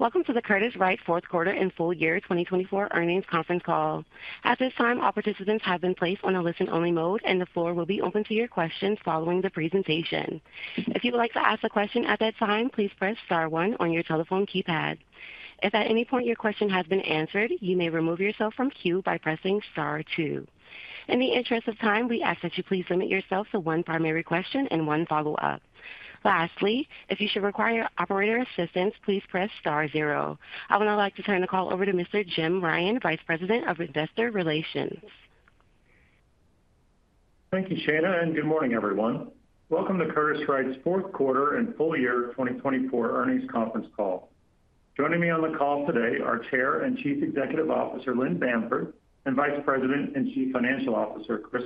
Welcome to the Curtiss-Wright fourth quarter and full year 2024 earnings conference call. At this time, all participants have been placed on a listen-only mode, and the floor will be open to your questions following the presentation. If you would like to ask a question at that time, please press star one on your telephone keypad. If at any point your question has been answered, you may remove yourself from queue by pressing star two. In the interest of time, we ask that you please limit yourself to one primary question and one follow-up. Lastly, if you should require operator assistance, please press star zero. I would now like to turn the call over to Mr. Jim Ryan, Vice President of Investor Relations. Thank you, Shana, and good morning, everyone. Welcome to Curtiss-Wright's fourth quarter and full year 2024 earnings conference call. Joining me on the call today are Chair and Chief Executive Officer Lynn Bamford and Vice President and Chief Financial Officer Chris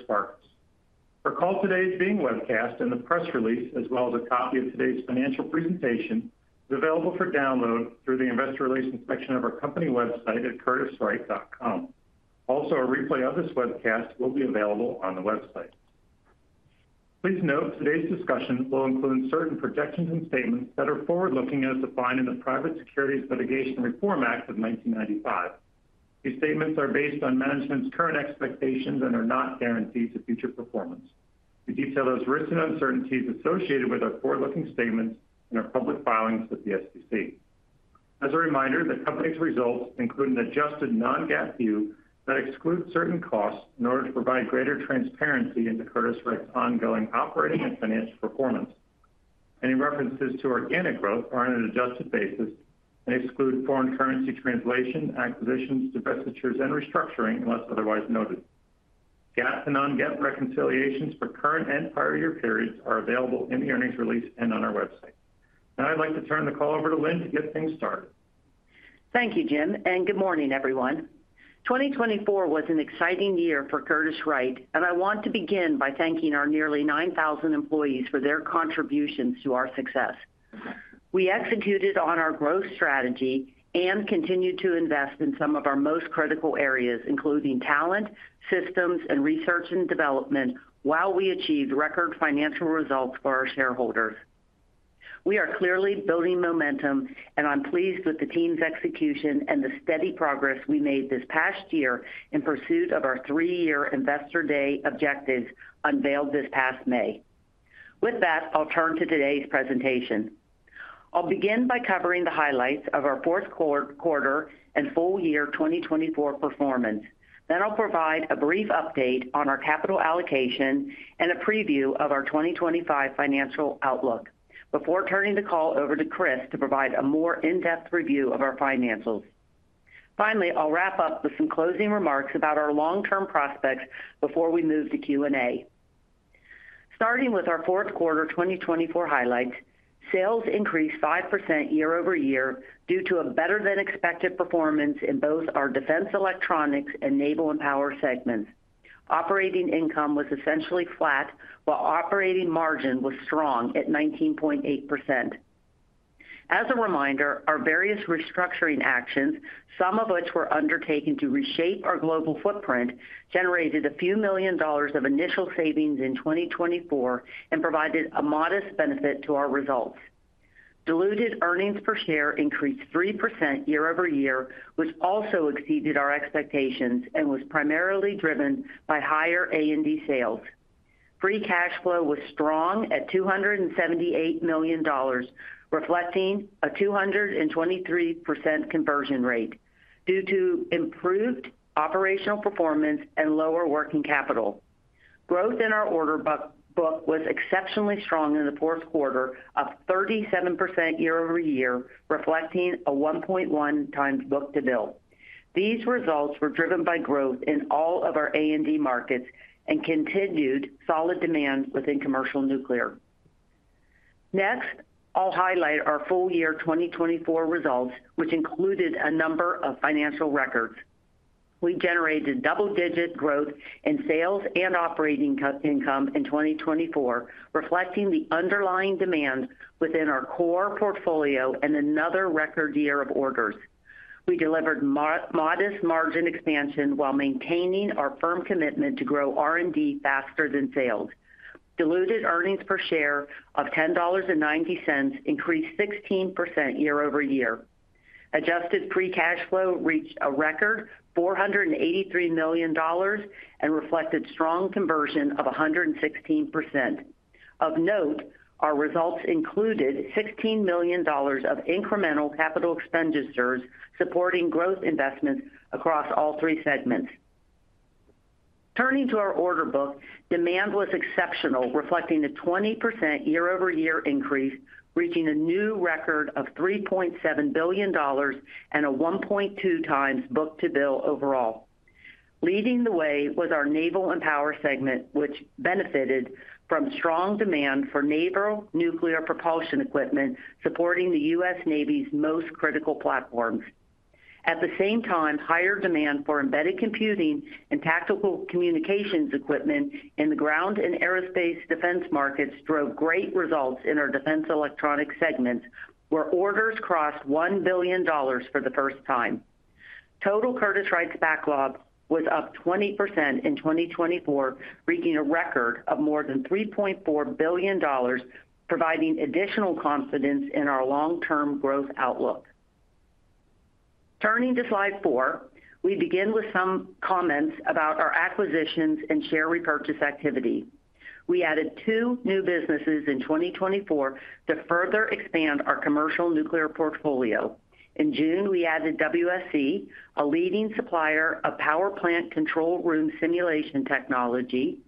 Farkas. Our call today is being webcast, and the press release, as well as a copy of today's financial presentation, is available for download through the Investor Relations section of our company website at curtisswright.com. Also, a replay of this webcast will be available on the website. Please note today's discussion will include certain projections and statements that are forward-looking as defined in the Private Securities Litigation Reform Act of 1995. These statements are based on management's current expectations and are not guaranteed to future performance. We detail those risks and uncertainties associated with our forward-looking statements in our public filings with the SEC. As a reminder, the company's results include an adjusted non-GAAP view that excludes certain costs in order to provide greater transparency into Curtiss-Wright's ongoing operating and financial performance. Any references to organic growth are on an adjusted basis and exclude foreign currency translation, acquisitions, divestitures, and restructuring, unless otherwise noted. GAAP and non-GAAP reconciliations for current and prior year periods are available in the earnings release and on our website. Now, I'd like to turn the call over to Lynn to get things started. Thank you, Jim, and good morning, everyone. 2024 was an exciting year for Curtiss-Wright, and I want to begin by thanking our nearly 9,000 employees for their contributions to our success. We executed on our growth strategy and continued to invest in some of our most critical areas, including talent, systems, and research and development, while we achieved record financial results for our shareholders. We are clearly building momentum, and I'm pleased with the team's execution and the steady progress we made this past year in pursuit of our three-year Investor Day objectives unveiled this past May. With that, I'll turn to today's presentation. I'll begin by covering the highlights of our fourth quarter and full year 2024 performance. Then I'll provide a brief update on our capital allocation and a preview of our 2025 financial outlook before turning the call over to Chris to provide a more in-depth review of our financials. Finally, I'll wrap up with some closing remarks about our long-term prospects before we move to Q&A. Starting with our fourth quarter 2024 highlights, sales increased 5% year-over-year due to a better-than-expected performance in both our Defense Electronics and Naval and Power segments. Operating income was essentially flat, while operating margin was strong at 19.8%. As a reminder, our various restructuring actions, some of which were undertaken to reshape our global footprint, generated a few million dollars of initial savings in 2024 and provided a modest benefit to our results. Diluted earnings per share increased 3% year-over-year, which also exceeded our expectations and was primarily driven by higher A&D sales. Free cash flow was strong at $278 million, reflecting a 223% conversion rate due to improved operational performance and lower working capital. Growth in our order book was exceptionally strong in the fourth quarter, up 37% year-over-year, reflecting a 1.1x book-to-bill. These results were driven by growth in all of our A&D markets and continued solid demand within commercial nuclear. Next, I'll highlight our full year 2024 results, which included a number of financial records. We generated double-digit growth in sales and operating income in 2024, reflecting the underlying demand within our core portfolio and another record year of orders. We delivered modest margin expansion while maintaining our firm commitment to grow R&D faster than sales. Diluted earnings per share of $10.90 increased 16% year-over-year. Adjusted free cash flow reached a record $483 million and reflected strong conversion of 116%. Of note, our results included $16 million of incremental capital expenditures supporting growth investments across all three segments. Turning to our order book, demand was exceptional, reflecting a 20% year-over-year increase, reaching a new record of $3.7 billion and a 1.2x book-to-bill overall. Leading the way was our Naval and Power segment, which benefited from strong demand for naval nuclear propulsion equipment supporting the U.S. Navy's most critical platforms. At the same time, higher demand for embedded computing and tactical communications equipment in the ground and aerospace defense markets drove great results in our Defense Electronics segments, where orders crossed $1 billion for the first time. Total Curtiss-Wright's backlog was up 20% in 2024, reaching a record of more than $3.4 billion, providing additional confidence in our long-term growth outlook. Turning to slide four, we begin with some comments about our acquisitions and share repurchase activity. We added two new businesses in 2024 to further expand our commercial nuclear portfolio. In June, we added WSC, a leading supplier of power plant control room simulation technology,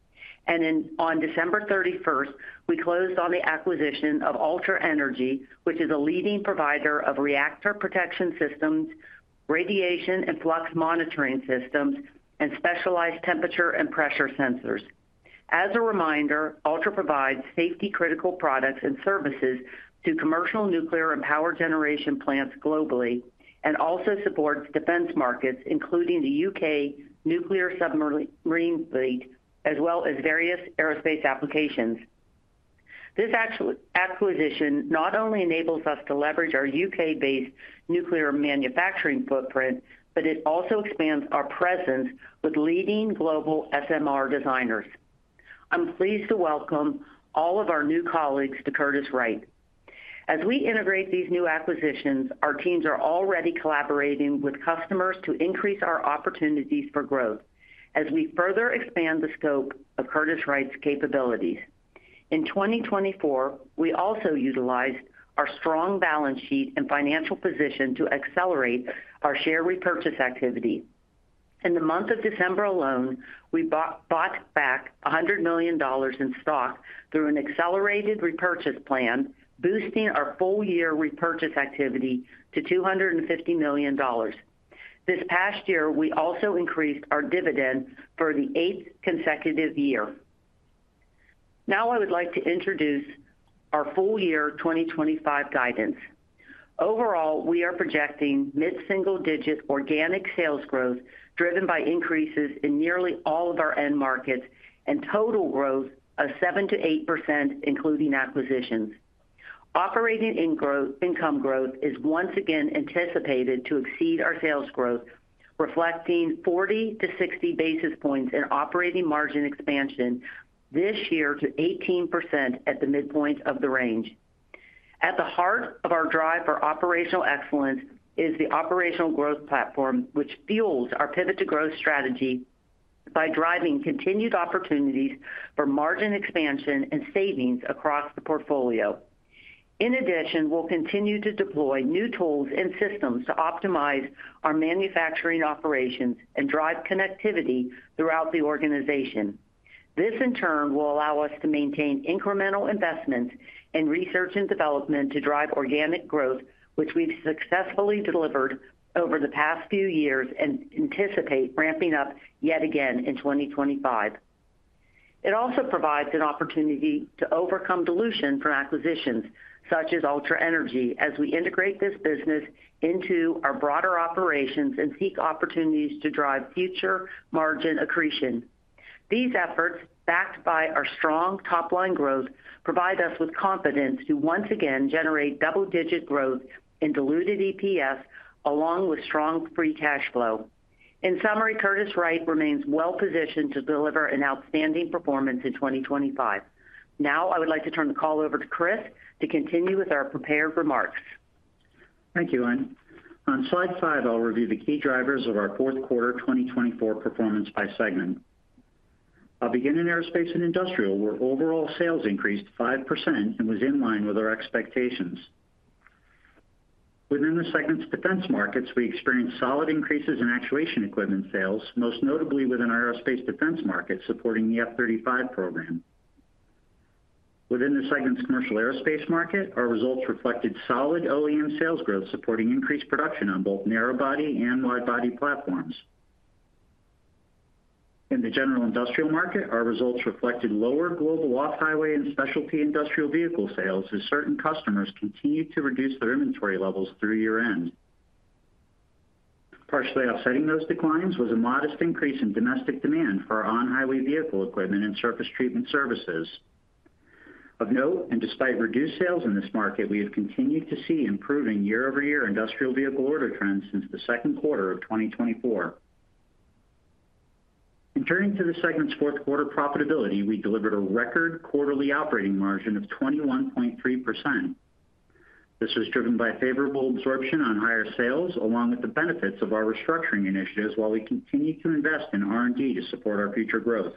and on December 31st, we closed on the acquisition of Ultra Energy, which is a leading provider of reactor protection systems, radiation and flux monitoring systems, and specialized temperature and pressure sensors. As a reminder, Ultra provides safety-critical products and services to commercial nuclear and power generation plants globally and also supports defense markets, including the U.K. nuclear submarine fleet, as well as various aerospace applications. This acquisition not only enables us to leverage our U.K.-based nuclear manufacturing footprint, but it also expands our presence with leading global SMR designers. I'm pleased to welcome all of our new colleagues to Curtiss-Wright. As we integrate these new acquisitions, our teams are already collaborating with customers to increase our opportunities for growth as we further expand the scope of Curtiss-Wright's capabilities. In 2024, we also utilized our strong balance sheet and financial position to accelerate our share repurchase activity. In the month of December alone, we bought back $100 million in stock through an accelerated repurchase plan, boosting our full year repurchase activity to $250 million. This past year, we also increased our dividend for the eighth consecutive year. Now, I would like to introduce our full year 2025 guidance. Overall, we are projecting mid-single-digit organic sales growth driven by increases in nearly all of our end markets and total growth of 7%-8%, including acquisitions. Operating income growth is once again anticipated to exceed our sales growth, reflecting 40-60 basis points in operating margin expansion this year to 18% at the midpoint of the range. At the heart of our drive for operational excellence is the Operational Growth Platform, which fuels our Pivot to Growth strategy by driving continued opportunities for margin expansion and savings across the portfolio. In addition, we'll continue to deploy new tools and systems to optimize our manufacturing operations and drive connectivity throughout the organization. This, in turn, will allow us to maintain incremental investments in research and development to drive organic growth, which we've successfully delivered over the past few years and anticipate ramping up yet again in 2025. It also provides an opportunity to overcome dilution from acquisitions such as Ultra Energy as we integrate this business into our broader operations and seek opportunities to drive future margin accretion. These efforts, backed by our strong top-line growth, provide us with confidence to once again generate double-digit growth in diluted EPS along with strong free cash flow. In summary, Curtiss-Wright remains well-positioned to deliver an outstanding performance in 2025. Now, I would like to turn the call over to Chris to continue with our prepared remarks. Thank you, Lynn. On slide five, I'll review the key drivers of our fourth quarter 2024 performance by segment. I'll begin in Aerospace and Industrial, where overall sales increased 5% and was in line with our expectations. Within the segment's defense markets, we experienced solid increases in actuation equipment sales, most notably within our aerospace defense market supporting the F-35 program. Within the segment's commercial aerospace market, our results reflected solid OEM sales growth supporting increased production on both narrow-body and wide-body platforms. In the general industrial market, our results reflected lower global off-highway and specialty industrial vehicle sales as certain customers continued to reduce their inventory levels through year-end. Partially offsetting those declines was a modest increase in domestic demand for on-highway vehicle equipment and surface treatment services. Of note, and despite reduced sales in this market, we have continued to see improving year-over-year industrial vehicle order trends since the second quarter of 2024. In turning to the segment's fourth quarter profitability, we delivered a record quarterly operating margin of 21.3%. This was driven by favorable absorption on higher sales, along with the benefits of our restructuring initiatives while we continue to invest in R&D to support our future growth.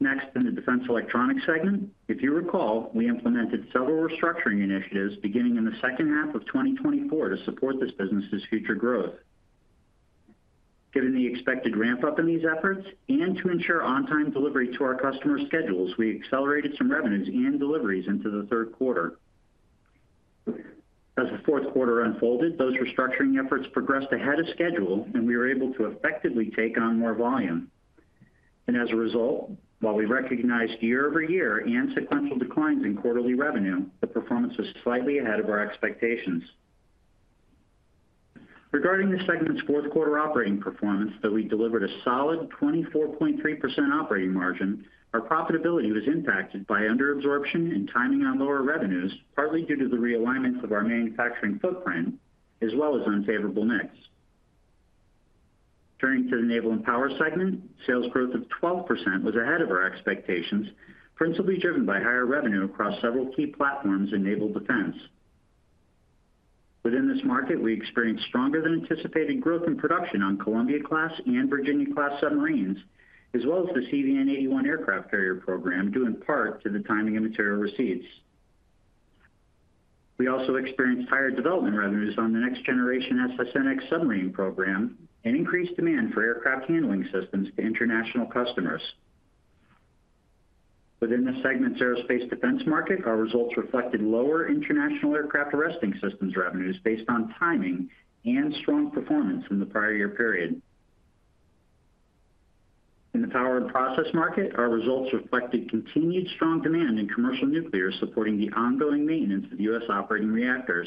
Next, in the Defense Electronics segment, if you recall, we implemented several restructuring initiatives beginning in the second half of 2024 to support this business's future growth. Given the expected ramp-up in these efforts and to ensure on-time delivery to our customer schedules, we accelerated some revenues and deliveries into the third quarter. As the fourth quarter unfolded, those restructuring efforts progressed ahead of schedule, and we were able to effectively take on more volume. As a result, while we recognized year-over-year and sequential declines in quarterly revenue, the performance was slightly ahead of our expectations. Regarding the segment's fourth quarter operating performance, though we delivered a solid 24.3% operating margin, our profitability was impacted by under-absorption and timing on lower revenues, partly due to the realignment of our manufacturing footprint, as well as unfavorable mix. Turning to the Naval and Power segment, sales growth of 12% was ahead of our expectations, principally driven by higher revenue across several key platforms in naval defense. Within this market, we experienced stronger-than-anticipated growth in production on Columbia-class and Virginia-class submarines, as well as the CVN-81 aircraft carrier program, due in part to the timing and material receipts. We also experienced higher development revenues on the next-generation SSN(X) submarine program and increased demand for aircraft handling systems to international customers. Within the segment's aerospace defense market, our results reflected lower international aircraft arresting systems revenues based on timing and strong performance in the prior year period. In the power and process market, our results reflected continued strong demand in commercial nuclear supporting the ongoing maintenance of U.S. operating reactors.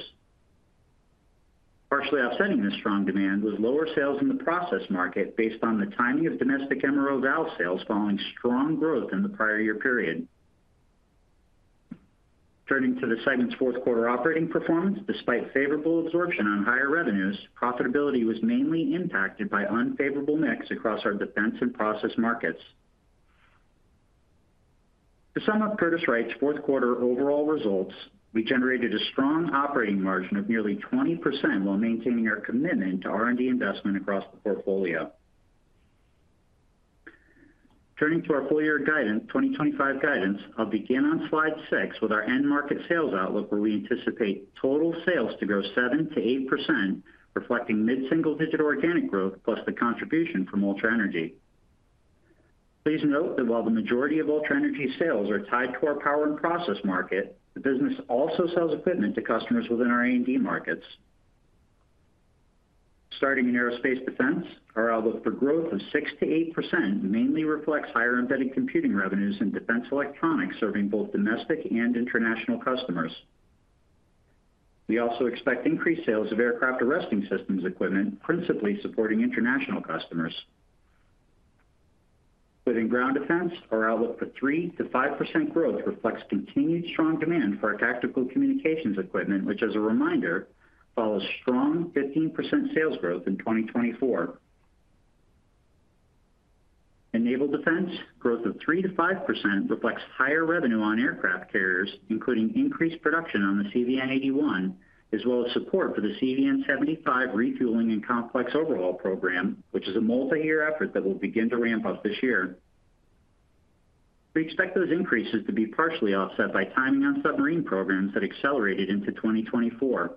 Partially offsetting this strong demand was lower sales in the process market based on the timing of domestic MRO valve sales following strong growth in the prior year period. Turning to the segment's fourth quarter operating performance, despite favorable absorption on higher revenues, profitability was mainly impacted by unfavorable mix across our defense and process markets. To sum up Curtiss-Wright's fourth quarter overall results, we generated a strong operating margin of nearly 20% while maintaining our commitment to R&D investment across the portfolio. Turning to our full year guidance, 2025 guidance, I'll begin on slide six with our end market sales outlook, where we anticipate total sales to grow 7%-8%, reflecting mid-single-digit organic growth plus the contribution from Ultra Energy. Please note that while the majority of Ultra Energy's sales are tied to our power and process market, the business also sells equipment to customers within our A&D markets. Starting in aerospace defense, our outlook for growth of 6%-8% mainly reflects higher embedded computing revenues in Defense Electronics serving both domestic and international customers. We also expect increased sales of aircraft arresting systems equipment, principally supporting international customers. Within ground defense, our outlook for 3%-5% growth reflects continued strong demand for our tactical communications equipment, which, as a reminder, follows strong 15% sales growth in 2024. In naval defense, growth of 3%-5% reflects higher revenue on aircraft carriers, including increased production on the CVN-81, as well as support for the CVN-75 refueling and complex overhaul program, which is a multi-year effort that will begin to ramp up this year. We expect those increases to be partially offset by timing on submarine programs that accelerated into 2024.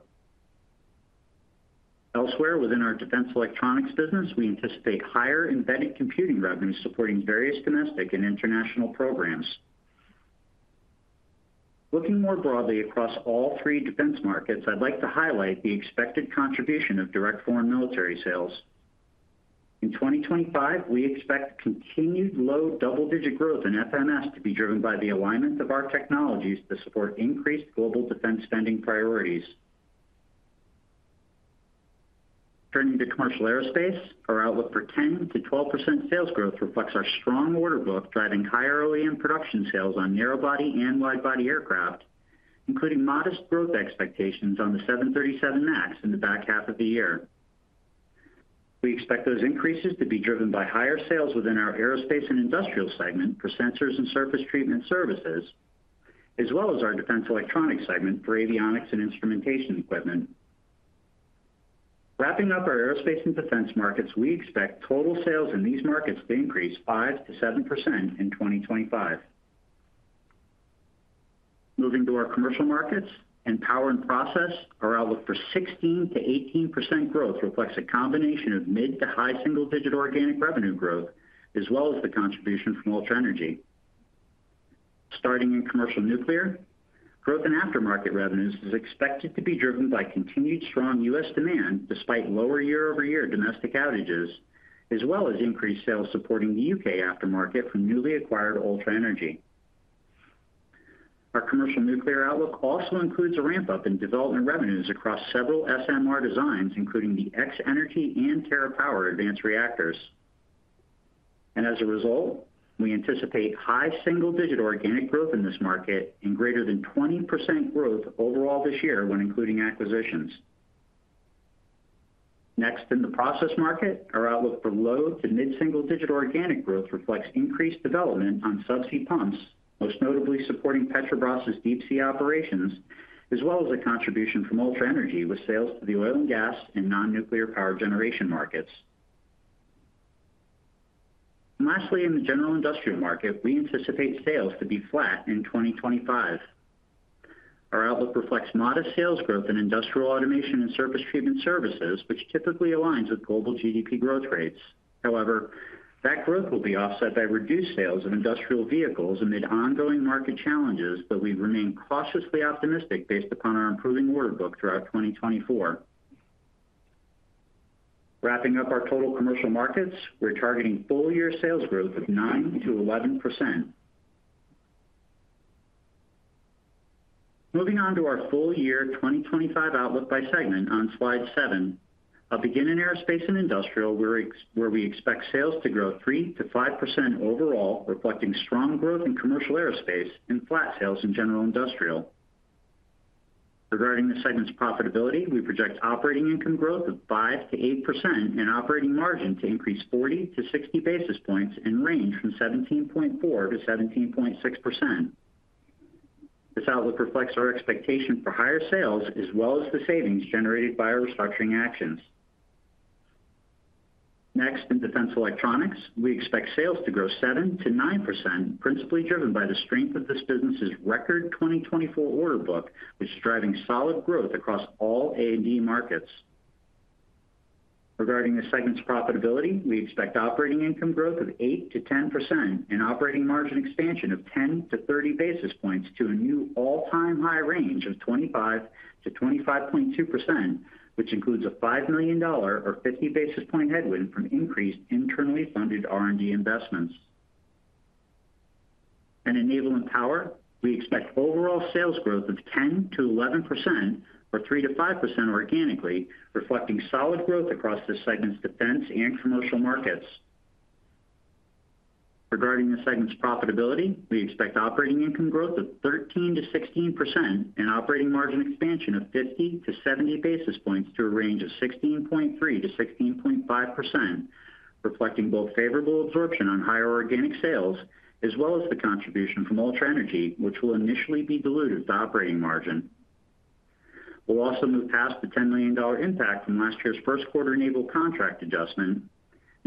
Elsewhere within our Defense Electronics business, we anticipate higher embedded computing revenues supporting various domestic and international programs. Looking more broadly across all three defense markets, I'd like to highlight the expected contribution of direct foreign military sales. In 2025, we expect continued low double-digit growth in FMS to be driven by the alignment of our technologies to support increased global defense spending priorities. Turning to commercial aerospace, our outlook for 10%-12% sales growth reflects our strong order book, driving higher OEM production sales on narrow-body and wide-body aircraft, including modest growth expectations on the 737 MAX in the back half of the year. We expect those increases to be driven by higher sales within our Aerospace and Industrial segment for sensors and surface treatment services, as well as our Defense Electronics segment for avionics and instrumentation equipment. Wrapping up our aerospace and defense markets, we expect total sales in these markets to increase 5%-7% in 2025. Moving to our commercial markets and power and process, our outlook for 16%-18% growth reflects a combination of mid-to-high single-digit organic revenue growth, as well as the contribution from Ultra Energy. Starting in commercial nuclear, growth in aftermarket revenues is expected to be driven by continued strong U.S. Demand despite lower year-over-year domestic outages, as well as increased sales supporting the U.K. aftermarket from newly acquired Ultra Energy. Our commercial nuclear outlook also includes a ramp-up in development revenues across several SMR designs, including the X-energy and TerraPower advanced reactors. And as a result, we anticipate high single-digit organic growth in this market and greater than 20% growth overall this year when including acquisitions. Next, in the process market, our outlook for low to mid-single-digit organic growth reflects increased development on subsea pumps, most notably supporting Petrobras's deep-sea operations, as well as a contribution from Ultra Energy with sales to the oil and gas and non-nuclear power generation markets. Lastly, in the general industrial market, we anticipate sales to be flat in 2025. Our outlook reflects modest sales growth in industrial automation and surface treatment services, which typically aligns with global GDP growth rates. However, that growth will be offset by reduced sales of industrial vehicles amid ongoing market challenges, though we remain cautiously optimistic based upon our improving order book throughout 2024. Wrapping up our total commercial markets, we're targeting full year sales growth of 9%-11%. Moving on to our full year 2025 outlook by segment on slide seven, I'll begin in Aerospace and Industrial, where we expect sales to grow 3%-5% overall, reflecting strong growth in commercial aerospace and flat sales in general industrial. Regarding the segment's profitability, we project operating income growth of 5%-8% and operating margin to increase 40-60 basis points and range from 17.4%-17.6%. This outlook reflects our expectation for higher sales as well as the savings generated by our restructuring actions. Next, in Defense Electronics, we expect sales to grow 7%-9%, principally driven by the strength of this business's record 2024 order book, which is driving solid growth across all A&D markets. Regarding the segment's profitability, we expect operating income growth of 8% to 10% and operating margin expansion of 10-30 basis points to a new all-time high range of 25%-25.2%, which includes a $5 million or 50 basis point headwind from increased internally funded R&D investments. In Naval and Power, we expect overall sales growth of 10%-11% or 3% to 5% organically, reflecting solid growth across the segment's defense and commercial markets. Regarding the segment's profitability, we expect operating income growth of 13%-16% and operating margin expansion of 50-70 basis points to a range of 16.3%-16.5%, reflecting both favorable absorption on higher organic sales as well as the contribution from Ultra Energy, which will initially be diluted to operating margin. We'll also move past the $10 million impact from last year's first quarter naval contract adjustment.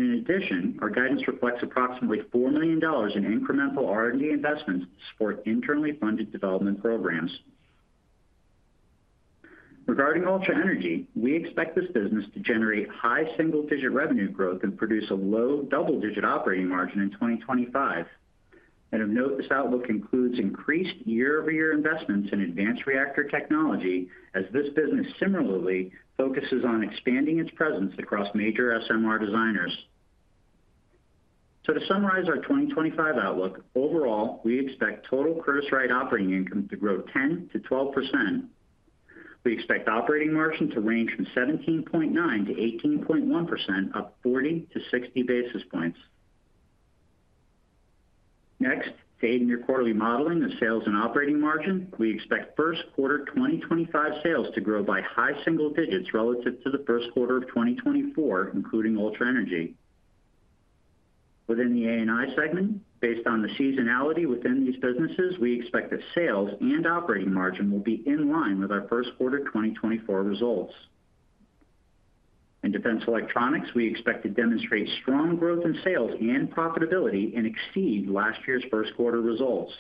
In addition, our guidance reflects approximately $4 million in incremental R&D investments to support internally funded development programs. Regarding Ultra Energy, we expect this business to generate high single-digit revenue growth and produce a low double-digit operating margin in 2025. And of note, this outlook includes increased year-over-year investments in advanced reactor technology, as this business similarly focuses on expanding its presence across major SMR designers. So to summarize our 2025 outlook, overall, we expect total Curtiss-Wright operating income to grow 10%-12%. We expect operating margin to range from 17.9%-18.1%, up 40-60 basis points. Next, to aid in your quarterly modeling of sales and operating margin, we expect first quarter 2025 sales to grow by high single digits relative to the first quarter of 2024, including Ultra Energy. Within the A&I segment, based on the seasonality within these businesses, we expect that sales and operating margin will be in line with our first quarter 2024 results. In Defense Electronics, we expect to demonstrate strong growth in sales and profitability and exceed last year's first quarter results.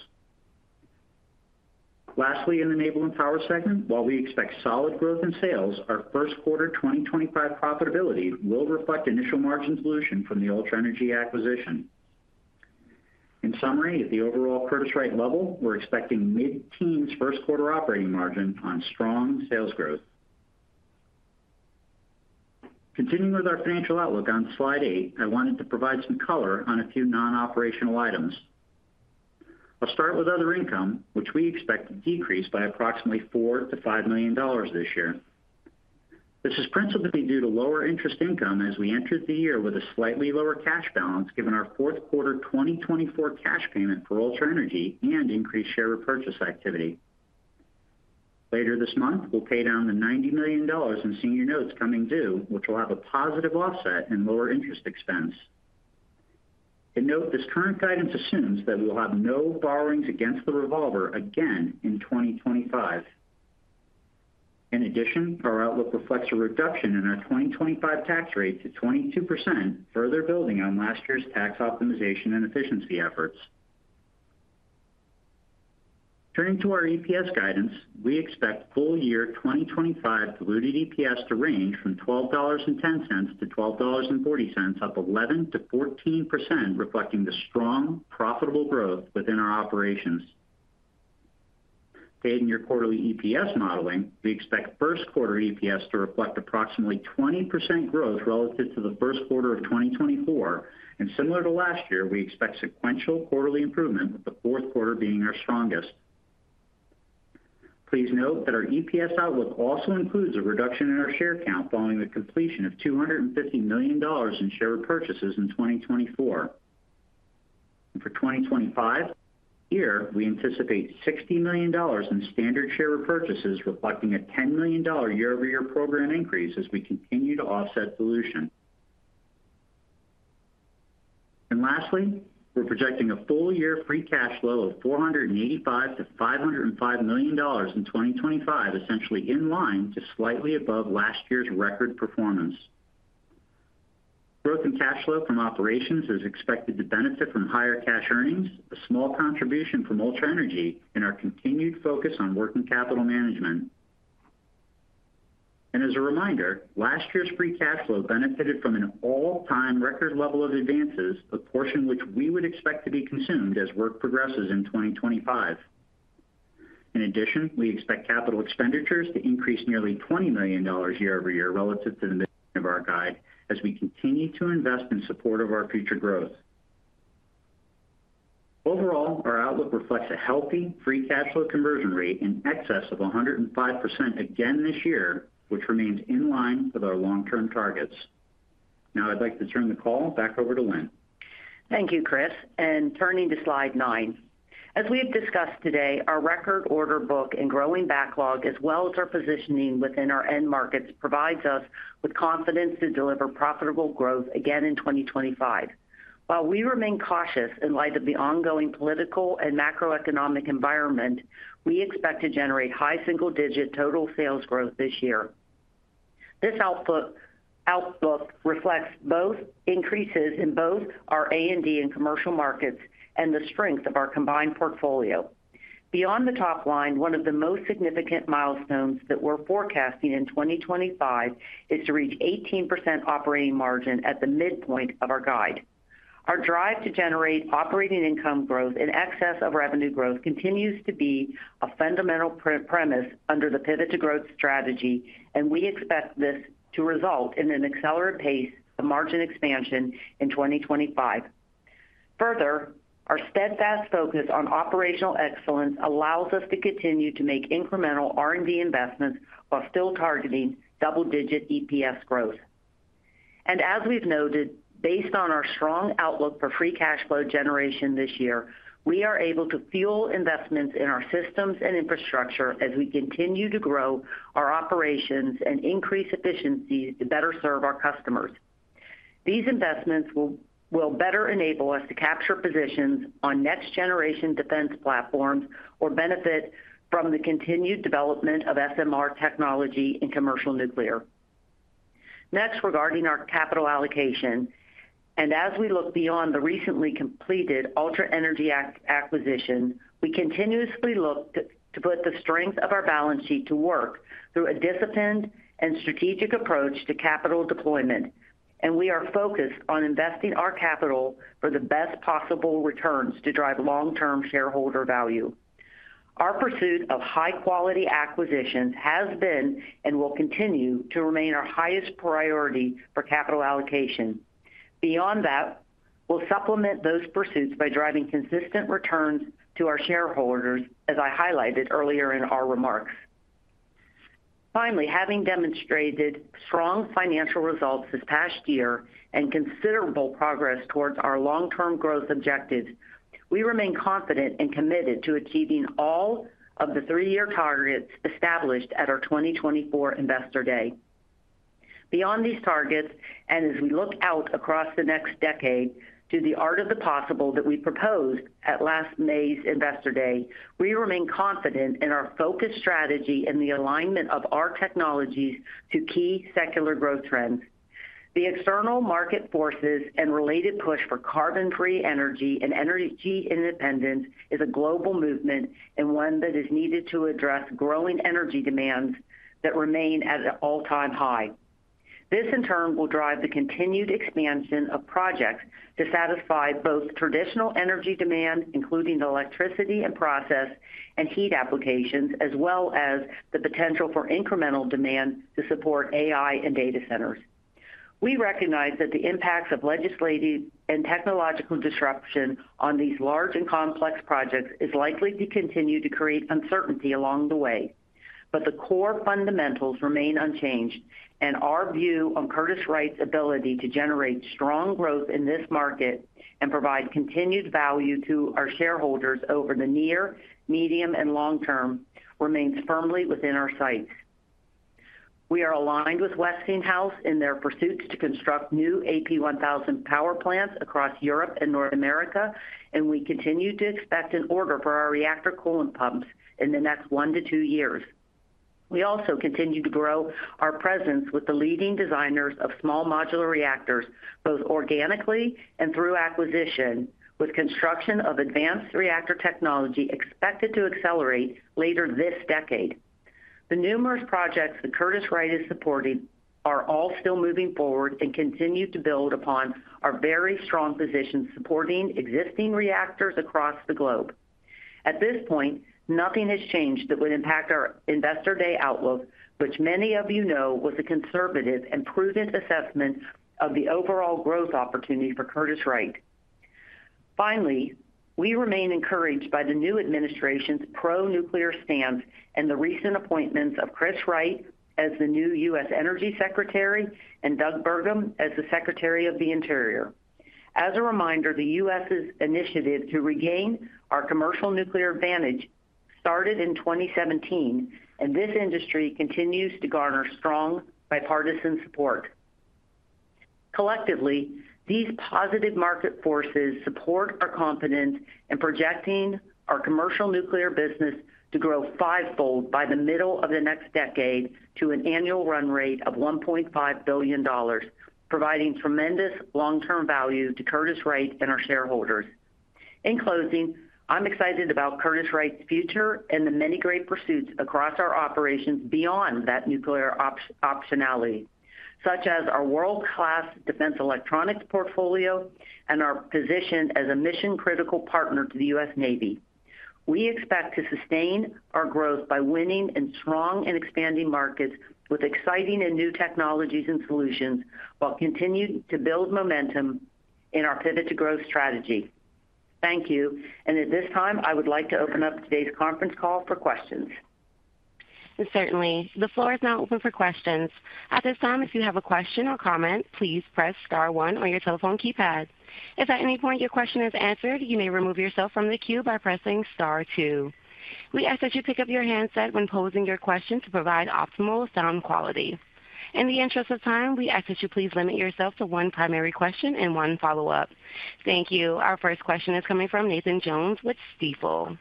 Lastly, in the Naval and Power segment, while we expect solid growth in sales, our first quarter 2025 profitability will reflect initial margin dilution from the Ultra Energy acquisition. In summary, at the overall Curtiss-Wright level, we're expecting mid-teens first quarter operating margin on strong sales growth. Continuing with our financial outlook on slide eight, I wanted to provide some color on a few non-operational items. I'll start with other income, which we expect to decrease by approximately $4 million-$5 million this year. This is principally due to lower interest income as we entered the year with a slightly lower cash balance, given our fourth quarter 2024 cash payment for Ultra Energy and increased share of purchase activity. Later this month, we'll pay down the $90 million in senior notes coming due, which will have a positive offset and lower interest expense, and note, this current guidance assumes that we will have no borrowings against the revolver again in 2025. In addition, our outlook reflects a reduction in our 2025 tax rate to 22%, further building on last year's tax optimization and efficiency efforts. Turning to our EPS guidance, we expect full year 2025 diluted EPS to range from $12.10-$12.40, up 11%-14%, reflecting the strong, profitable growth within our operations. To aid in your quarterly EPS modeling, we expect first quarter EPS to reflect approximately 20% growth relative to the first quarter of 2024. And similar to last year, we expect sequential quarterly improvement, with the fourth quarter being our strongest. Please note that our EPS outlook also includes a reduction in our share count following the completion of $250 million in share purchases in 2024. And for 2025 year, we anticipate $60 million in standard share purchases, reflecting a $10 million year-over-year program increase as we continue to offset dilution. And lastly, we're projecting a full year free cash flow of $485 million-$505 million in 2025, essentially in line to slightly above last year's record performance. Growth in cash flow from operations is expected to benefit from higher cash earnings, a small contribution from Ultra Energy, and our continued focus on working capital management. And as a reminder, last year's free cash flow benefited from an all-time record level of advances, a portion which we would expect to be consumed as work progresses in 2025. In addition, we expect capital expenditures to increase nearly $20 million year-over-year relative to the mid-year of our guide, as we continue to invest in support of our future growth. Overall, our outlook reflects a healthy free cash flow conversion rate in excess of 105% again this year, which remains in line with our long-term targets. Now, I'd like to turn the call back over to Lynn. Thank you, Chris, and turning to slide nine, as we have discussed today, our record order book and growing backlog, as well as our positioning within our end markets, provides us with confidence to deliver profitable growth again in 2025. While we remain cautious in light of the ongoing political and macroeconomic environment, we expect to generate high single-digit total sales growth this year. This outlook reflects both increases in our A&D and commercial markets and the strength of our combined portfolio. Beyond the top line, one of the most significant milestones that we're forecasting in 2025 is to reach 18% operating margin at the midpoint of our guide. Our drive to generate operating income growth in excess of revenue growth continues to be a fundamental premise under the pivot to growth strategy, and we expect this to result in an accelerated pace of margin expansion in 2025. Further, our steadfast focus on operational excellence allows us to continue to make incremental R&D investments while still targeting double-digit EPS growth. And as we've noted, based on our strong outlook for free cash flow generation this year, we are able to fuel investments in our systems and infrastructure as we continue to grow our operations and increase efficiency to better serve our customers. These investments will better enable us to capture positions on next-generation defense platforms or benefit from the continued development of SMR technology in commercial nuclear. Next, regarding our capital allocation, and as we look beyond the recently completed Ultra Energy acquisition, we continuously look to put the strength of our balance sheet to work through a disciplined and strategic approach to capital deployment and we are focused on investing our capital for the best possible returns to drive long-term shareholder value. Our pursuit of high-quality acquisitions has been and will continue to remain our highest priority for capital allocation. Beyond that, we'll supplement those pursuits by driving consistent returns to our shareholders, as I highlighted earlier in our remarks. Finally, having demonstrated strong financial results this past year and considerable progress towards our long-term growth objectives, we remain confident and committed to achieving all of the three-year targets established at our 2024 Investor Day. Beyond these targets, and as we look out across the next decade to the art of the possible that we proposed at last May's Investor Day, we remain confident in our focused strategy and the alignment of our technologies to key secular growth trends. The external market forces and related push for carbon-free energy and energy independence is a global movement and one that is needed to address growing energy demands that remain at an all-time high. This, in turn, will drive the continued expansion of projects to satisfy both traditional energy demand, including the electricity and process and heat applications, as well as the potential for incremental demand to support AI and data centers. We recognize that the impacts of legislative and technological disruption on these large and complex projects is likely to continue to create uncertainty along the way. But the core fundamentals remain unchanged, and our view on Curtiss-Wright's ability to generate strong growth in this market and provide continued value to our shareholders over the near, medium, and long term remains firmly within our sights. We are aligned with Westinghouse in their pursuits to construct new AP1000 power plants across Europe and North America, and we continue to expect an order for our reactor coolant pumps in the next one to two years. We also continue to grow our presence with the leading designers of small modular reactors, both organically and through acquisition, with construction of advanced reactor technology expected to accelerate later this decade. The numerous projects that Curtiss-Wright is supporting are all still moving forward and continue to build upon our very strong position supporting existing reactors across the globe. At this point, nothing has changed that would impact our Investor Day outlook, which many of you know was a conservative and prudent assessment of the overall growth opportunity for Curtiss-Wright. Finally, we remain encouraged by the new administration's pro-nuclear stance and the recent appointments of Chris Wright as the new U.S. Secretary of Energy and Doug Burgum as the Secretary of the Interior. As a reminder, the U.S.'s initiative to regain our commercial nuclear advantage started in 2017, and this industry continues to garner strong bipartisan support. Collectively, these positive market forces support our confidence in projecting our commercial nuclear business to grow fivefold by the middle of the next decade to an annual run rate of $1.5 billion, providing tremendous long-term value to Curtiss-Wright and our shareholders. In closing, I'm excited about Curtiss-Wright's future and the many great pursuits across our operations beyond that nuclear optionality, such as our world-class Defense Electronics portfolio and our position as a mission-critical partner to the U.S. Navy. We expect to sustain our growth by winning in strong and expanding markets with exciting and new technologies and solutions while continuing to build momentum in our pivot to growth strategy. Thank you, and at this time, I would like to open up today's conference call for questions. Certainly. The floor is now open for questions. At this time, if you have a question or comment, please press star one on your telephone keypad. If at any point your question is answered, you may remove yourself from the queue by pressing star two. We ask that you pick up your handset when posing your question to provide optimal sound quality. In the interest of time, we ask that you please limit yourself to one primary question and one follow-up. Thank you. Our first question is coming from Nathan Jones with Stifel.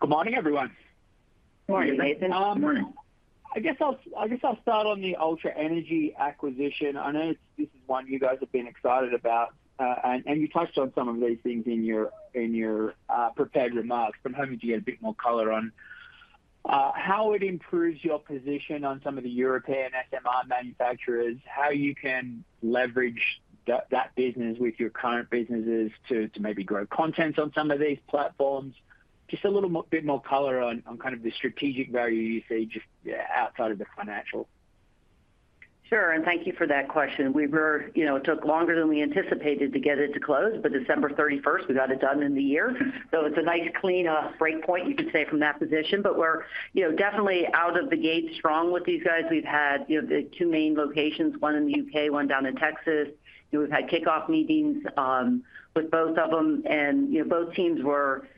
Good morning, everyone. Good morning, Nathan. Good morning. I guess I'll start on the Ultra Energy acquisition. I know this is one you guys have been excited about, and you touched on some of these things in your prepared remarks from which you can get a bit more color on. How it improves your position on some of the European SMR manufacturers, how you can leverage that business with your current businesses to maybe grow content on some of these platforms. Just a little bit more color on kind of the strategic value you see just outside of the financial. Sure. And thank you for that question. We took longer than we anticipated to get it to close, but December 31st, we got it done in the year. So it's a nice clean breakpoint, you could say, from that position. But we're definitely out of the gate strong with these guys. We've had the two main locations, one in the U.K., one down in Texas. We've had kickoff meetings with both of them, and both teams were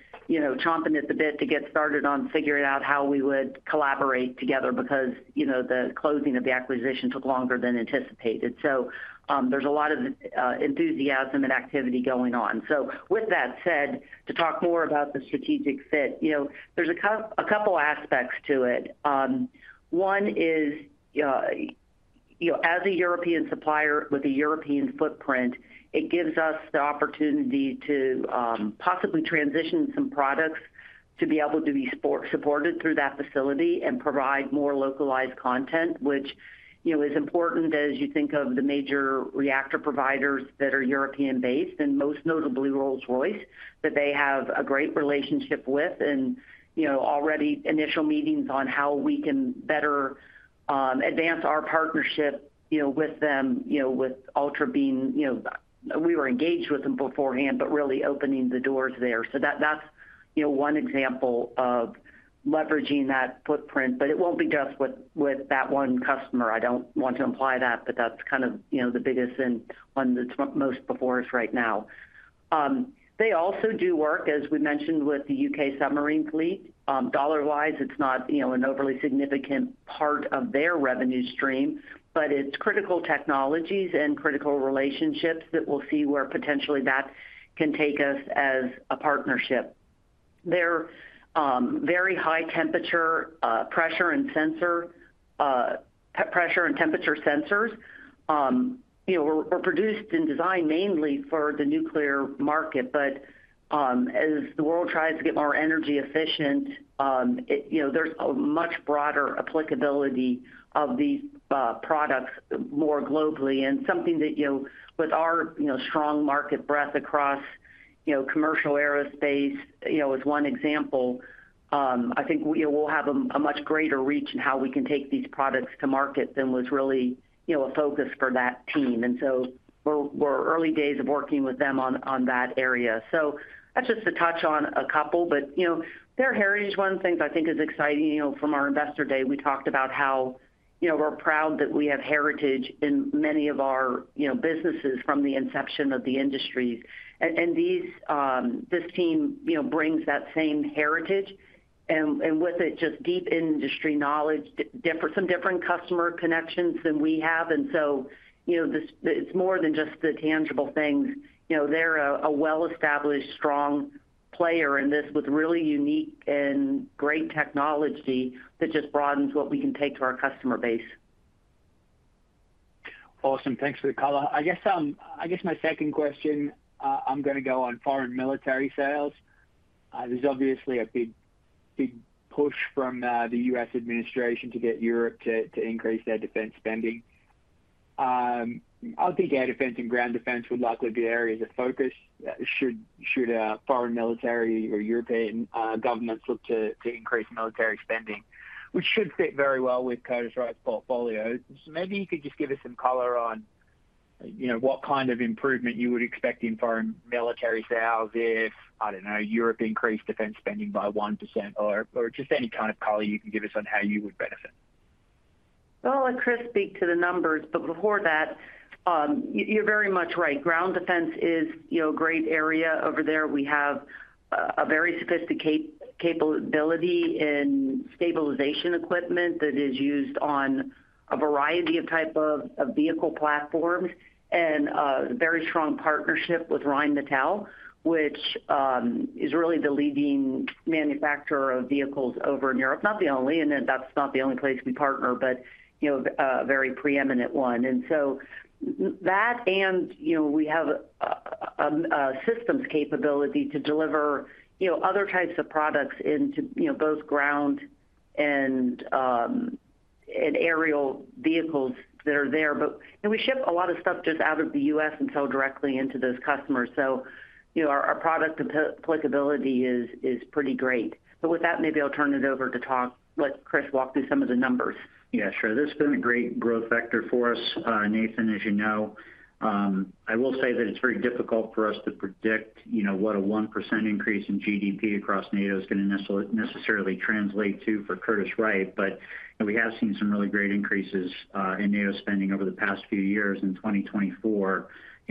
chomping at the bit to get started on figuring out how we would collaborate together because the closing of the acquisition took longer than anticipated. So there's a lot of enthusiasm and activity going on. So with that said, to talk more about the strategic fit, there's a couple of aspects to it. One is, as a European supplier with a European footprint, it gives us the opportunity to possibly transition some products to be able to be supported through that facility and provide more localized content, which is important as you think of the major reactor providers that are European-based, and most notably Rolls-Royce, that they have a great relationship with, and already initial meetings on how we can better advance our partnership with them, with Ultra being we were engaged with them beforehand, but really opening the doors there, so that's one example of leveraging that footprint, but it won't be just with that one customer. I don't want to imply that, but that's kind of the biggest and one that's most before us right now. They also do work, as we mentioned, with the U.K. submarine fleet. Dollar-wise, it's not an overly significant part of their revenue stream, but it's critical technologies and critical relationships that we'll see where potentially that can take us as a partnership. Their very high-temperature pressure and sensor pressure and temperature sensors were produced and designed mainly for the nuclear market. But as the world tries to get more energy efficient, there's a much broader applicability of these products more globally, and something that, with our strong market breadth across commercial aerospace as one example, I think we'll have a much greater reach in how we can take these products to market than was really a focus for that team, and so we're in the early days of working with them on that area, so that's just to touch on a couple. But their heritage, one of the things I think is exciting from our Investor Day, we talked about how we're proud that we have heritage in many of our businesses from the inception of the industries. And this team brings that same heritage and with it just deep industry knowledge, some different customer connections than we have. And so it's more than just the tangible things. They're a well-established, strong player in this with really unique and great technology that just broadens what we can take to our customer base. Awesome. Thanks for the color. I guess my second question, I'm going to go on foreign military sales. There's obviously a big push from the U.S. administration to get Europe to increase their defense spending. I think air defense and ground defense would likely be areas of focus should foreign military or European governments look to increase military spending, which should fit very well with Curtiss-Wright's portfolio. So maybe you could just give us some color on what kind of improvement you would expect in foreign military sales if, I don't know, Europe increased defense spending by 1% or just any kind of color you can give us on how you would benefit? Well, I'll let Chris speak to the numbers. But before that, you're very much right. Ground defense is a great area over there. We have a very sophisticated capability in stabilization equipment that is used on a variety of types of vehicle platforms and a very strong partnership with Rheinmetall, which is really the leading manufacturer of vehicles over in Europe. Not the only, and that's not the only place we partner, but a very preeminent one. And so that, and we have a systems capability to deliver other types of products into both ground and aerial vehicles that are there. But we ship a lot of stuff just out of the U.S. and sell directly into those customers. So our product applicability is pretty great. But with that, maybe I'll turn it over to Chris, walk through some of the numbers. Yeah, sure. That's been a great growth factor for us, Nathan, as you know. I will say that it's very difficult for us to predict what a 1% increase in GDP across NATO is going to necessarily translate to for Curtiss-Wright. But we have seen some really great increases in NATO spending over the past few years. In 2024,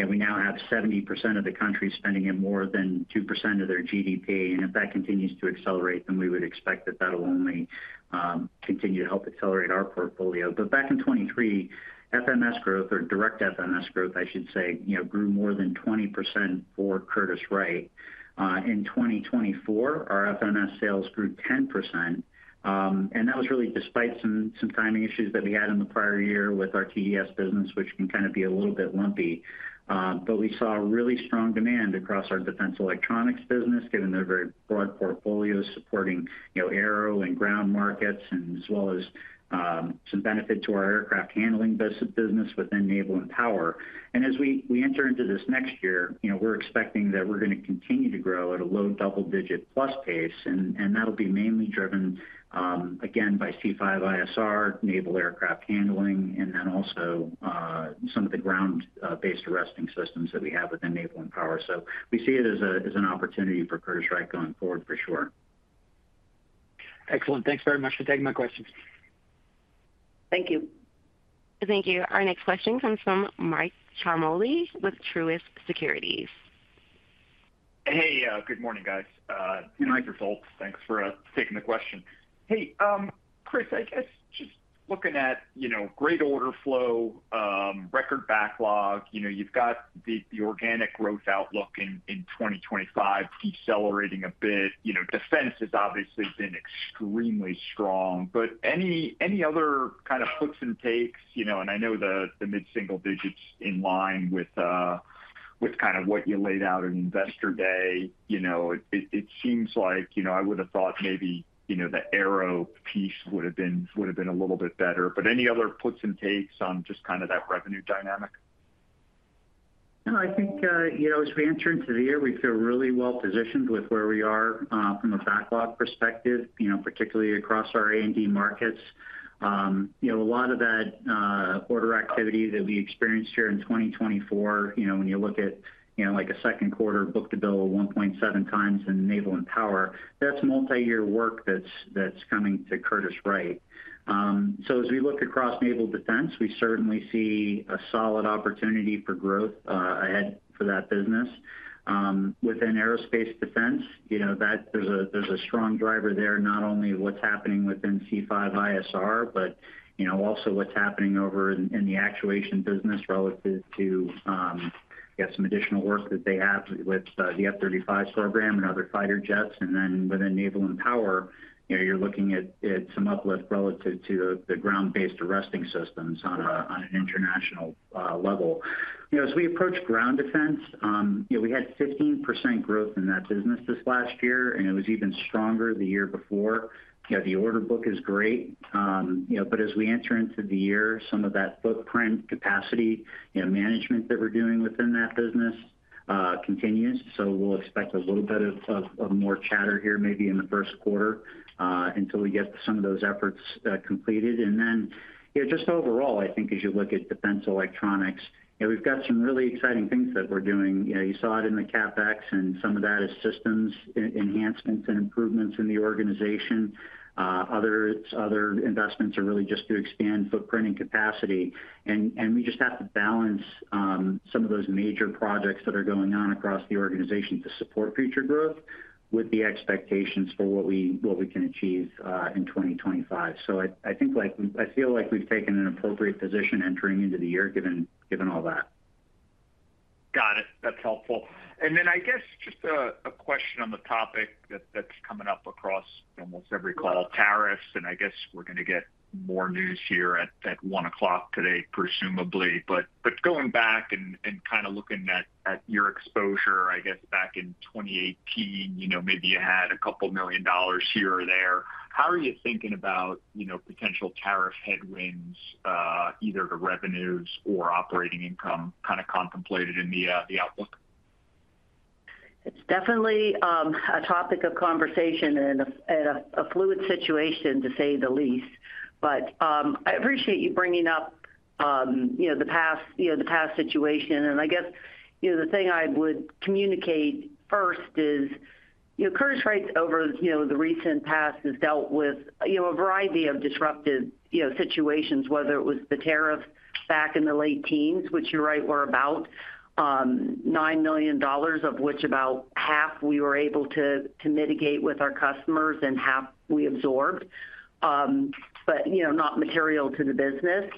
we now have 70% of the country spending in more than 2% of their GDP. And if that continues to accelerate, then we would expect that that will only continue to help accelerate our portfolio. But back in 2023, FMS growth, or direct FMS growth, I should say, grew more than 20% for Curtiss-Wright. In 2024, our FMS sales grew 10%. And that was really despite some timing issues that we had in the prior year with our TDS business, which can kind of be a little bit lumpy. But we saw really strong demand across our Defense Electronics business, given their very broad portfolio supporting aero and ground markets, as well as some benefit to our aircraft handling business within Naval and Power. And as we enter into this next year, we're expecting that we're going to continue to grow at a low double-digit plus pace. And that'll be mainly driven, again, by C5ISR, Naval aircraft handling, and then also some of the ground-based arresting systems that we have within Naval and Power. So we see it as an opportunity for Curtiss-Wright going forward, for sure. Excellent. Thanks very much for taking my questions. Thank you. Thank you. Our next question comes from Mike Ciarmoli with Truist Securities. Hey, good morning, guys. And the results. Thanks for taking the question. Hey, Chris, I guess just looking at great order flow, record backlog, you've got the organic growth outlook in 2025 accelerating a bit. Defense has obviously been extremely strong. But any other kind of hooks and takes? And I know the mid-single digits in line with kind of what you laid out in Investor Day. It seems like I would have thought maybe the aero piece would have been a little bit better. But any other hooks and takes on just kind of that revenue dynamic? No, I think as we enter into the year, we feel really well positioned with where we are from a backlog perspective, particularly across our A&D markets. A lot of that order activity that we experienced here in 2024, when you look at a second quarter book-to-bill of 1.7x in Naval and Power, that's multi-year work that's coming to Curtiss-Wright. So as we look across naval defense, we certainly see a solid opportunity for growth ahead for that business. Within aerospace defense, there's a strong driver there, not only what's happening within C5ISR, but also what's happening over in the actuation business relative to, yeah, some additional work that they have with the F-35 program and other fighter jets. And then within Naval and Power, you're looking at some uplift relative to the ground-based arresting systems on an international level. As we approach ground defense, we had 15% growth in that business this last year, and it was even stronger the year before. The order book is great. But as we enter into the year, some of that footprint capacity management that we're doing within that business continues. So we'll expect a little bit of more chatter here maybe in the first quarter until we get some of those efforts completed. And then just overall, I think as you look at Defense Electronics, we've got some really exciting things that we're doing. You saw it in the CapEx, and some of that is systems enhancements and improvements in the organization. Other investments are really just to expand footprint and capacity. We just have to balance some of those major projects that are going on across the organization to support future growth with the expectations for what we can achieve in 2025. I feel like we've taken an appropriate position entering into the year, given all that. Got it. That's helpful. I guess just a question on the topic that's coming up across almost every call, tariffs. I guess we're going to get more news here at 1:00 P.M. today, presumably. Going back and kind of looking at your exposure, I guess back in 2018, maybe you had a couple of million dollars here or there. How are you thinking about potential tariff headwinds, either to revenues or operating income kind of contemplated in the outlook? It's definitely a topic of conversation and a fluid situation, to say the least. But I appreciate you bringing up the past situation. And I guess the thing I would communicate first is Curtiss-Wright, over the recent past, has dealt with a variety of disruptive situations, whether it was the tariffs back in the late teens, which you're right were about $9 million, of which about half we were able to mitigate with our customers and half we absorbed, but not material to the business.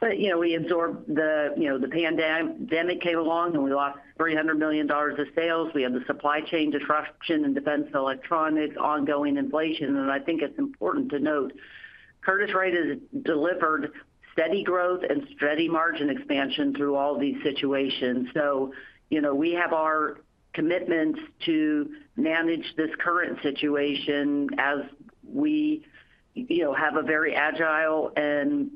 But we absorbed. The pandemic came along, and we lost $300 million of sales. We had the supply chain disruption in Defense Electronics, ongoing inflation. And I think it's important to note Curtiss-Wright has delivered steady growth and steady margin expansion through all these situations. So we have our commitments to manage this current situation as we have a very agile and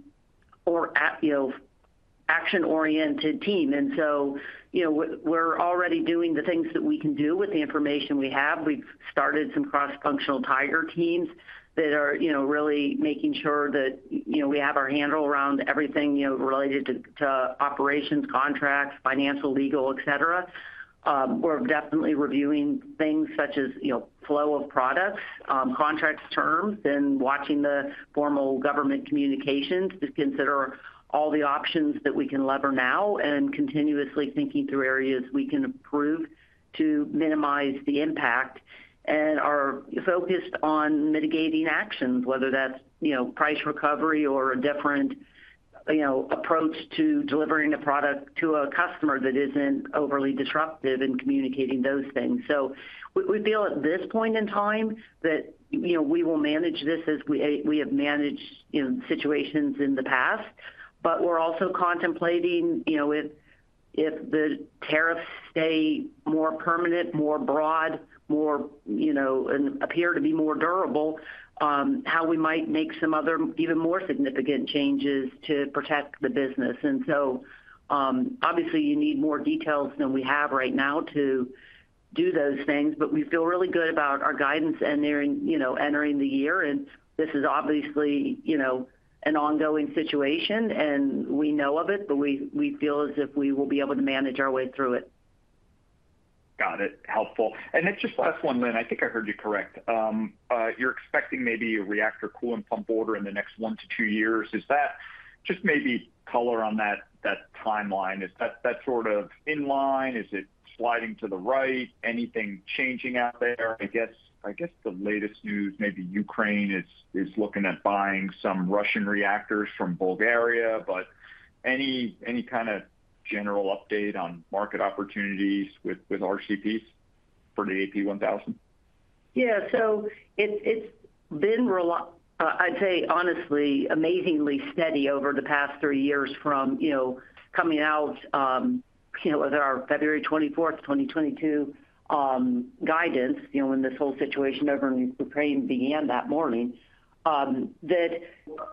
action-oriented team. And so we're already doing the things that we can do with the information we have. We've started some cross-functional tiger teams that are really making sure that we have our handle around everything related to operations, contracts, financial, legal, etc. We're definitely reviewing things such as flow of products, contract terms, and watching the formal government communications to consider all the options that we can lever now and continuously thinking through areas we can improve to minimize the impact. And we're focused on mitigating actions, whether that's price recovery or a different approach to delivering a product to a customer that isn't overly disruptive in communicating those things. So we feel at this point in time that we will manage this as we have managed situations in the past. But we're also contemplating if the tariffs stay more permanent, more broad, and appear to be more durable, how we might make some other even more significant changes to protect the business. And so obviously, you need more details than we have right now to do those things. But we feel really good about our guidance entering the year. And this is obviously an ongoing situation, and we know of it, but we feel as if we will be able to manage our way through it. Got it. Helpful. And just last one, Lynn. I think I heard you correctly. You're expecting maybe a reactor coolant pump order in the next one to two years. Is that just maybe color on that timeline? Is that sort of in line? Is it sliding to the right? Anything changing out there? I guess the latest news, maybe Ukraine is looking at buying some Russian reactors from Bulgaria, but any kind of general update on market opportunities with RCPs for the AP1000? Yeah, so it's been, I'd say, honestly, amazingly steady over the past three years from coming out with our February 24th, 2022 guidance when this whole situation over in Ukraine began that morning, that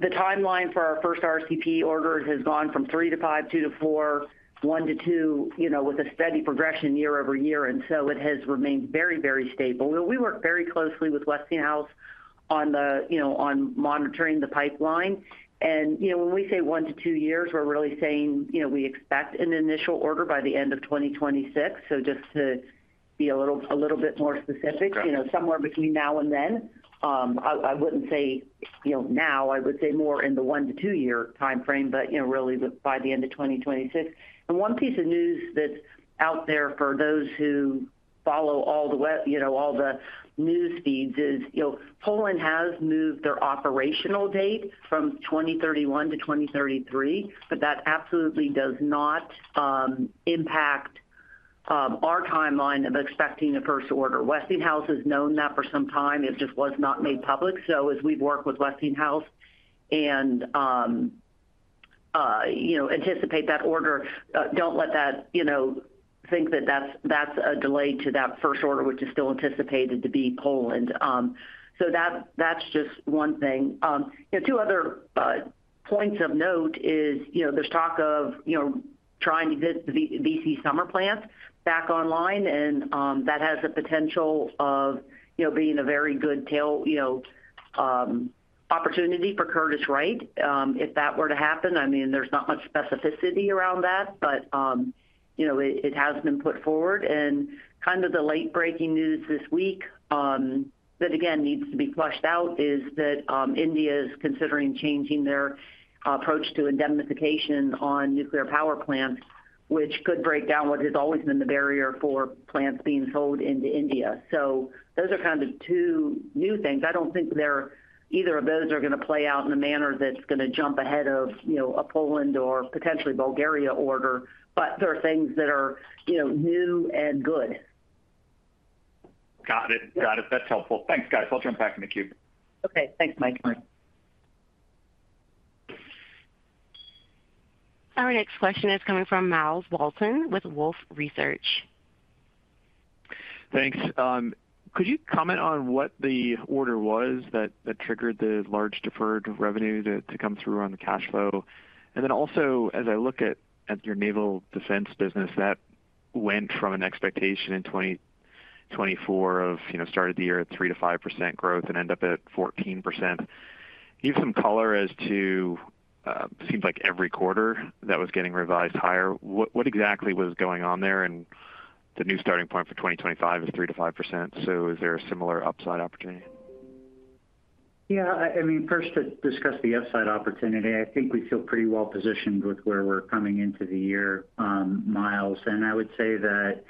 the timeline for our first RCP order has gone from three to five, two to four, one to two, with a steady progression year-over-year, and so it has remained very, very stable. We work very closely with Westinghouse on monitoring the pipeline, and when we say one to two years, we're really saying we expect an initial order by the end of 2026, so just to be a little bit more specific, somewhere between now and then. I wouldn't say now. I would say more in the one to two-year timeframe, but really by the end of 2026. One piece of news that's out there for those who follow all the news feeds is Poland has moved their operational date from 2031 to 2033, but that absolutely does not impact our timeline of expecting the first order. Westinghouse has known that for some time. It just was not made public. So as we've worked with Westinghouse and anticipate that order, don't let that think that that's a delay to that first order, which is still anticipated to be Poland. That's just one thing. Two other points of note is there's talk of trying to get the V.C. Summer plants back online. That has the potential of being a very good opportunity for Curtiss-Wright if that were to happen. I mean, there's not much specificity around that, but it has been put forward, and kind of the late-breaking news this week that, again, needs to be fleshed out is that India is considering changing their approach to indemnification on nuclear power plants, which could break down what has always been the barrier for plants being sold into India. So those are kind of two new things. I don't think either of those are going to play out in a manner that's going to jump ahead of a Poland or potentially Bulgaria order, but there are things that are new and good. Got it. Got it. That's helpful. Thanks, guys. I'll jump back in the queue. Okay. Thanks, Mike. All right. Our next question is coming from Myles Walton with Wolfe Research. Thanks. Could you comment on what the order was that triggered the large deferred revenue to come through on the cash flow? And then also, as I look at your naval defense business, that went from an expectation in 2024 of starting the year at 3%-5% growth and ended up at 14%. You have some color as to, it seems like every quarter that was getting revised higher. What exactly was going on there? And the new starting point for 2025 is 3%-5%. So is there a similar upside opportunity? Yeah. I mean, first, to discuss the upside opportunity, I think we feel pretty well positioned with where we're coming into the year, Myles. I would say that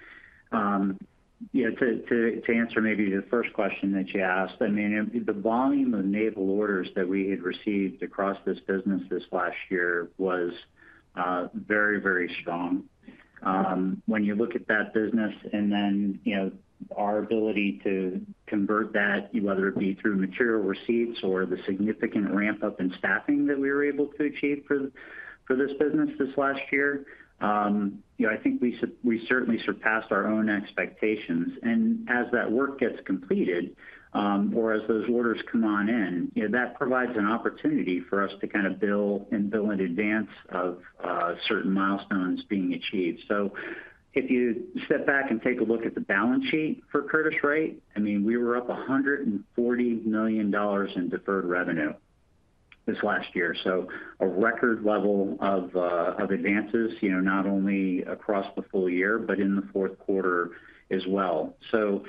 to answer maybe the first question that you asked, I mean, the volume of naval orders that we had received across this business this last year was very, very strong. When you look at that business and then our ability to convert that, whether it be through material receipts or the significant ramp-up in staffing that we were able to achieve for this business this last year, I think we certainly surpassed our own expectations. As that work gets completed or as those orders come on in, that provides an opportunity for us to kind of build and build in advance of certain milestones being achieved. If you step back and take a look at the balance sheet for Curtiss-Wright, I mean, we were up $140 million in deferred revenue this last year. A record level of advances, not only across the full year but in the fourth quarter as well. So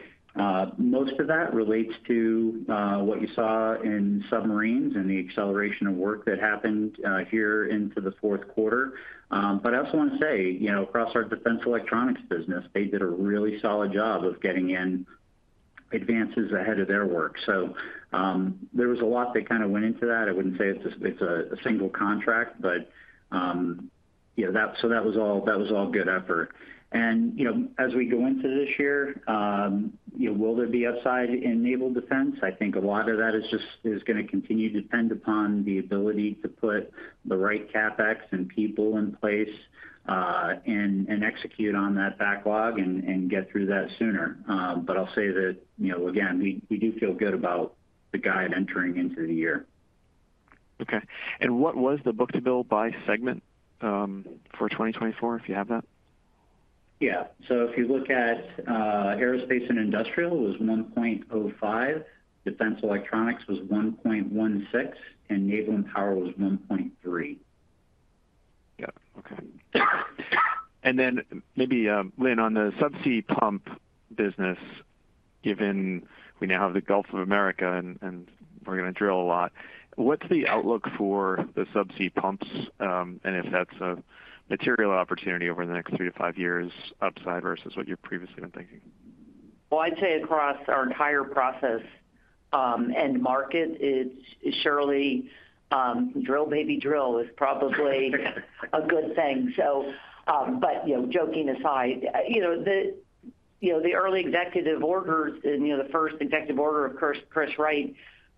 most of that relates to what you saw in submarines and the acceleration of work that happened here into the fourth quarter. But I also want to say across our Defense Electronics business, they did a really solid job of getting in advances ahead of their work. So there was a lot that kind of went into that. I wouldn't say it's a single contract, but so that was all good effort. And as we go into this year, will there be upside in naval defense? I think a lot of that is going to continue to depend upon the ability to put the right CapEx and people in place and execute on that backlog and get through that sooner. But I'll say that, again, we do feel good about the guide entering into the year. Okay. And what was the book-to-bill by segment for 2024, if you have that? Yeah. So if you look at Aerospace and Industrial, it was 1.05. Defense Electronics was 1.16, and Naval and Power was 1.3. Yeah. Okay. And then maybe, Lynn, on the subsea pump business, given we now have the Gulf of Mexico and we're going to drill a lot, what's the outlook for the subsea pumps and if that's a material opportunity over the next three to five years, upside versus what you've previously been thinking? Well, I'd say across our entire process end market, it's surely "drill, baby, drill" is probably a good thing. But joking aside, the early executive orders and the first executive order of Curtiss-Wright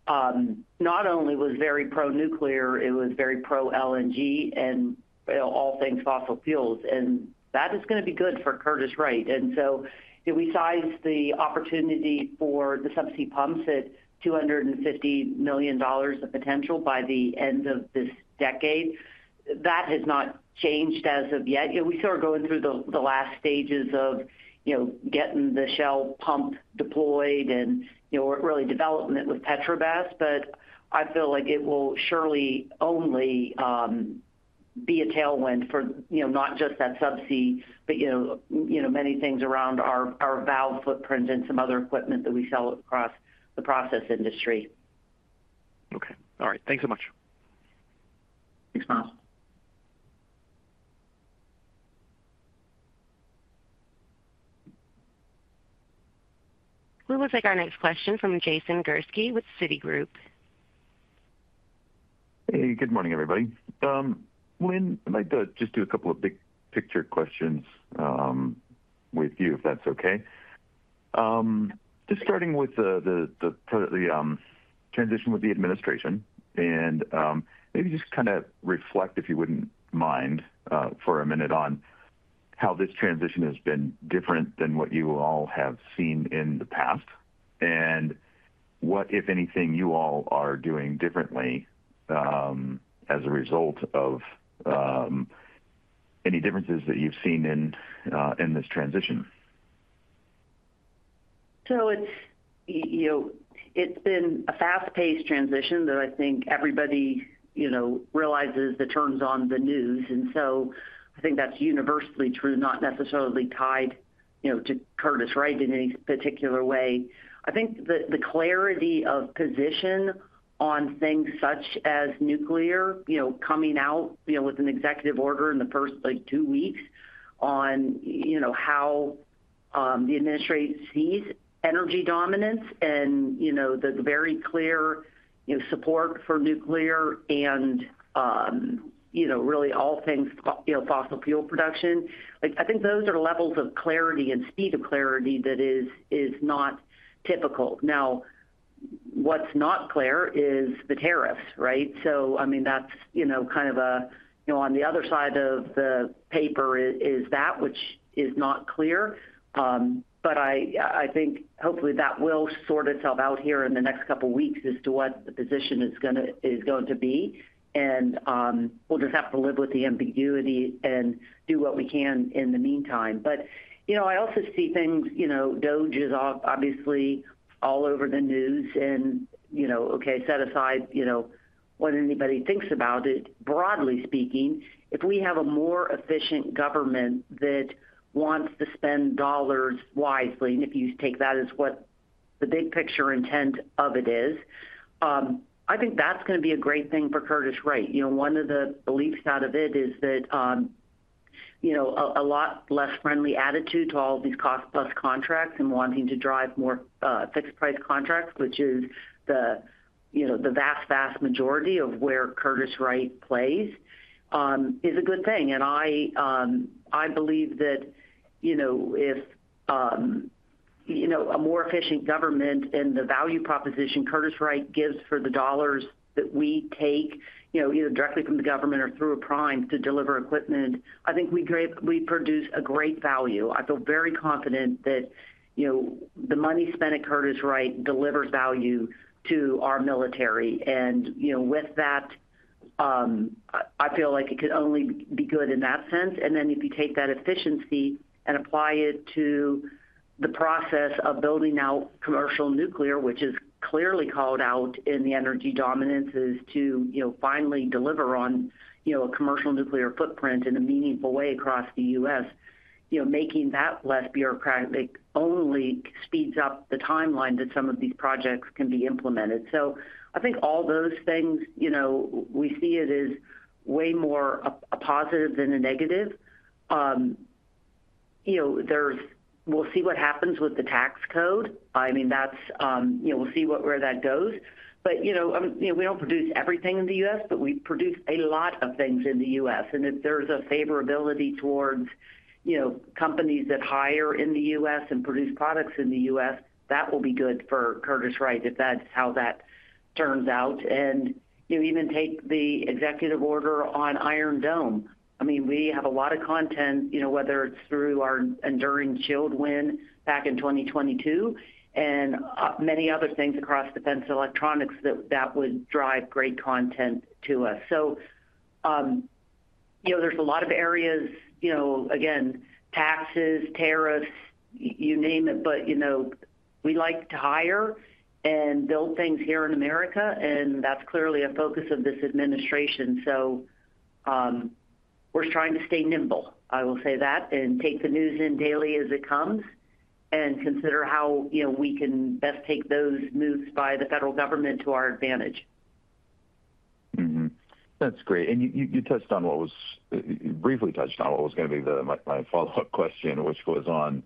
not only was very pro-nuclear. It was very pro-LNG and all things fossil fuels. And that is going to be good for Curtiss-Wright. And so we sized the opportunity for the subsea pumps at $250 million of potential by the end of this decade. That has not changed as of yet. We started going through the last stages of getting the subsea pump deployed and really developing it with Petrobras. But I feel like it will surely only be a tailwind for not just that subsea, but many things around our valve footprint and some other equipment that we sell across the process industry. Okay. All right. Thanks so much. Thanks, Myles. We will take our next question from Jason Gursky with Citi. Hey. Good morning, everybody. Lynn, I'd like to just do a couple of big picture questions with you, if that's okay. Just starting with the transition with the administration and maybe just kind of reflect, if you wouldn't mind, for a minute on how this transition has been different than what you all have seen in the past and what, if anything, you all are doing differently as a result of any differences that you've seen in this transition. So it's been a fast-paced transition that I think everybody realizes that turns on the news. And so I think that's universally true, not necessarily tied to Curtiss-Wright in any particular way. I think the clarity of position on things such as nuclear coming out with an executive order in the first two weeks on how the administration sees energy dominance and the very clear support for nuclear and really all things fossil fuel production. I think those are levels of clarity and speed of clarity that is not typical. Now, what's not clear is the tariffs, right? So I mean, that's kind of a on the other side of the paper is that, which is not clear. But I think hopefully that will sort itself out here in the next couple of weeks as to what the position is going to be, and we'll just have to live with the ambiguity and do what we can in the meantime, but I also see things. DOGE is obviously all over the news. Okay, set aside what anybody thinks about it, broadly speaking, if we have a more efficient government that wants to spend dollars wisely, and if you take that as what the big picture intent of it is, I think that's going to be a great thing for Curtiss-Wright. One of the beliefs out of it is that a lot less friendly attitude to all these cost-plus contracts and wanting to drive more fixed-price contracts, which is the vast, vast majority of where Curtiss-Wright plays, is a good thing. I believe that if a more efficient government and the value proposition Curtiss-Wright gives for the dollars that we take either directly from the government or through a prime to deliver equipment, I think we produce a great value. I feel very confident that the money spent at Curtiss-Wright delivers value to our military. With that, I feel like it could only be good in that sense. Then if you take that efficiency and apply it to the process of building out commercial nuclear, which is clearly called out in the energy dominance to finally deliver on a commercial nuclear footprint in a meaningful way across the U.S., making that less bureaucratic only speeds up the timeline that some of these projects can be implemented. So I think all those things, we see it as way more a positive than a negative. We'll see what happens with the tax code. I mean, we'll see where that goes. But we don't produce everything in the U.S., but we produce a lot of things in the U.S. If there's a favorability towards companies that hire in the U.S. and produce products in the U.S., that will be good for Curtiss-Wright if that's how that turns out. Even take the executive order on Iron Dome. I mean, we have a lot of content, whether it's through our Enduring Shield win back in 2022 and many other things across Defense Electronics that would drive great content to us. So there's a lot of areas, again, taxes, tariffs, you name it, but we like to hire and build things here in America. And that's clearly a focus of this administration. So we're trying to stay nimble, I will say that, and take the news in daily as it comes and consider how we can best take those moves by the federal government to our advantage. That's great. You touched on what was briefly touched on what was going to be my follow-up question, which was on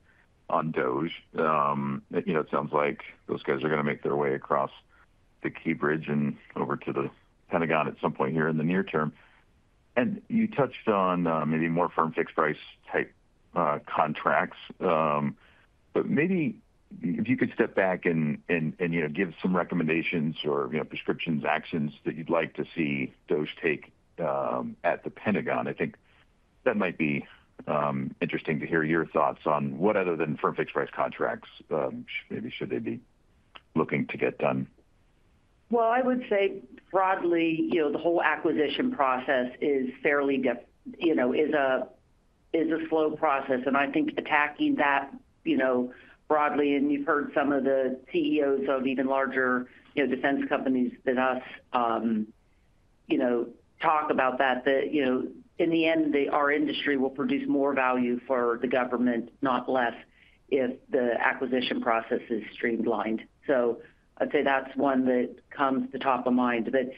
DOGE. It sounds like those guys are going to make their way across the Key Bridge and over to the Pentagon at some point here in the near term. You touched on maybe more firm fixed-price type contracts. But maybe if you could step back and give some recommendations or prescriptions, actions that you'd like to see DOGE take at the Pentagon. I think that might be interesting to hear your thoughts on what, other than firm fixed-price contracts, maybe should they be looking to get done. Well, I would say broadly, the whole acquisition process is fairly a slow process. And I think attacking that broadly, and you've heard some of the CEOs of even larger defense companies than us talk about that, that in the end, our industry will produce more value for the government, not less, if the acquisition process is streamlined. So I'd say that's one that comes to top of mind. But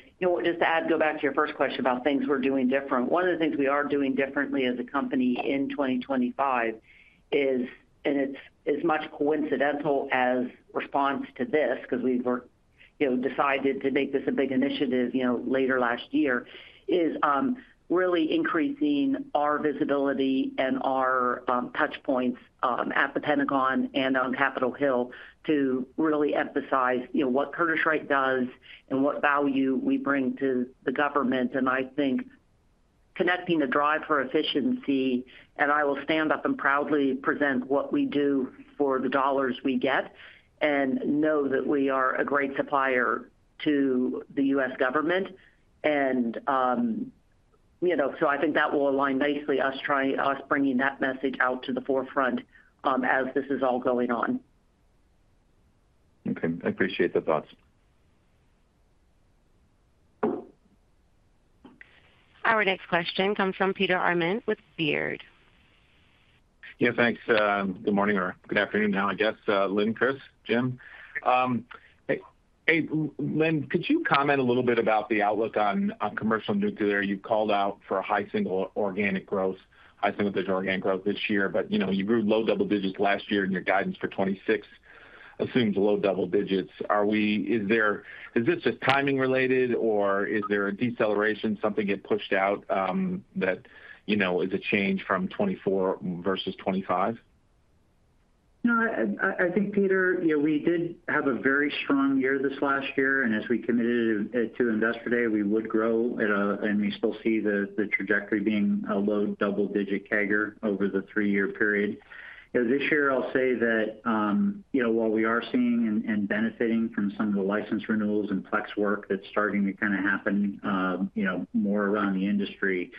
just to add, go back to your first question about things we're doing different. One of the things we are doing differently as a company in 2025 is, and it's as much coincidental as response to this because we've decided to make this a big initiative later last year, is really increasing our visibility and our touchpoints at the Pentagon and on Capitol Hill to really emphasize what Curtiss-Wright does and what value we bring to the government. I think connecting the drive for efficiency, and I will stand up and proudly present what we do for the dollars we get and know that we are a great supplier to the U.S. government. And so I think that will align nicely, us bringing that message out to the forefront as this is all going on. Okay. I appreciate the thoughts. Our next question comes from Peter Arment with Baird. Yeah. Thanks. Good morning or good afternoon now, I guess. Lynn, Chris, Jim. Hey, Lynn, could you comment a little bit about the outlook on commercial nuclear? You've called out for high single-digit organic growth, high single-digit organic growth this year, but you grew low double digits last year, and your guidance for 2026 assumes low double digits. Is this just timing related, or is there a deceleration, something get pushed out that is a change from 2024 versus 2025? No, I think, Peter, we did have a very strong year this last year, and as we committed to invest today, we would grow, and we still see the trajectory being a low double-digit CAGR over the three-year period. This year, I'll say that while we are seeing and benefiting from some of the license renewals and FLEX work that's starting to kind of happen more around the industry,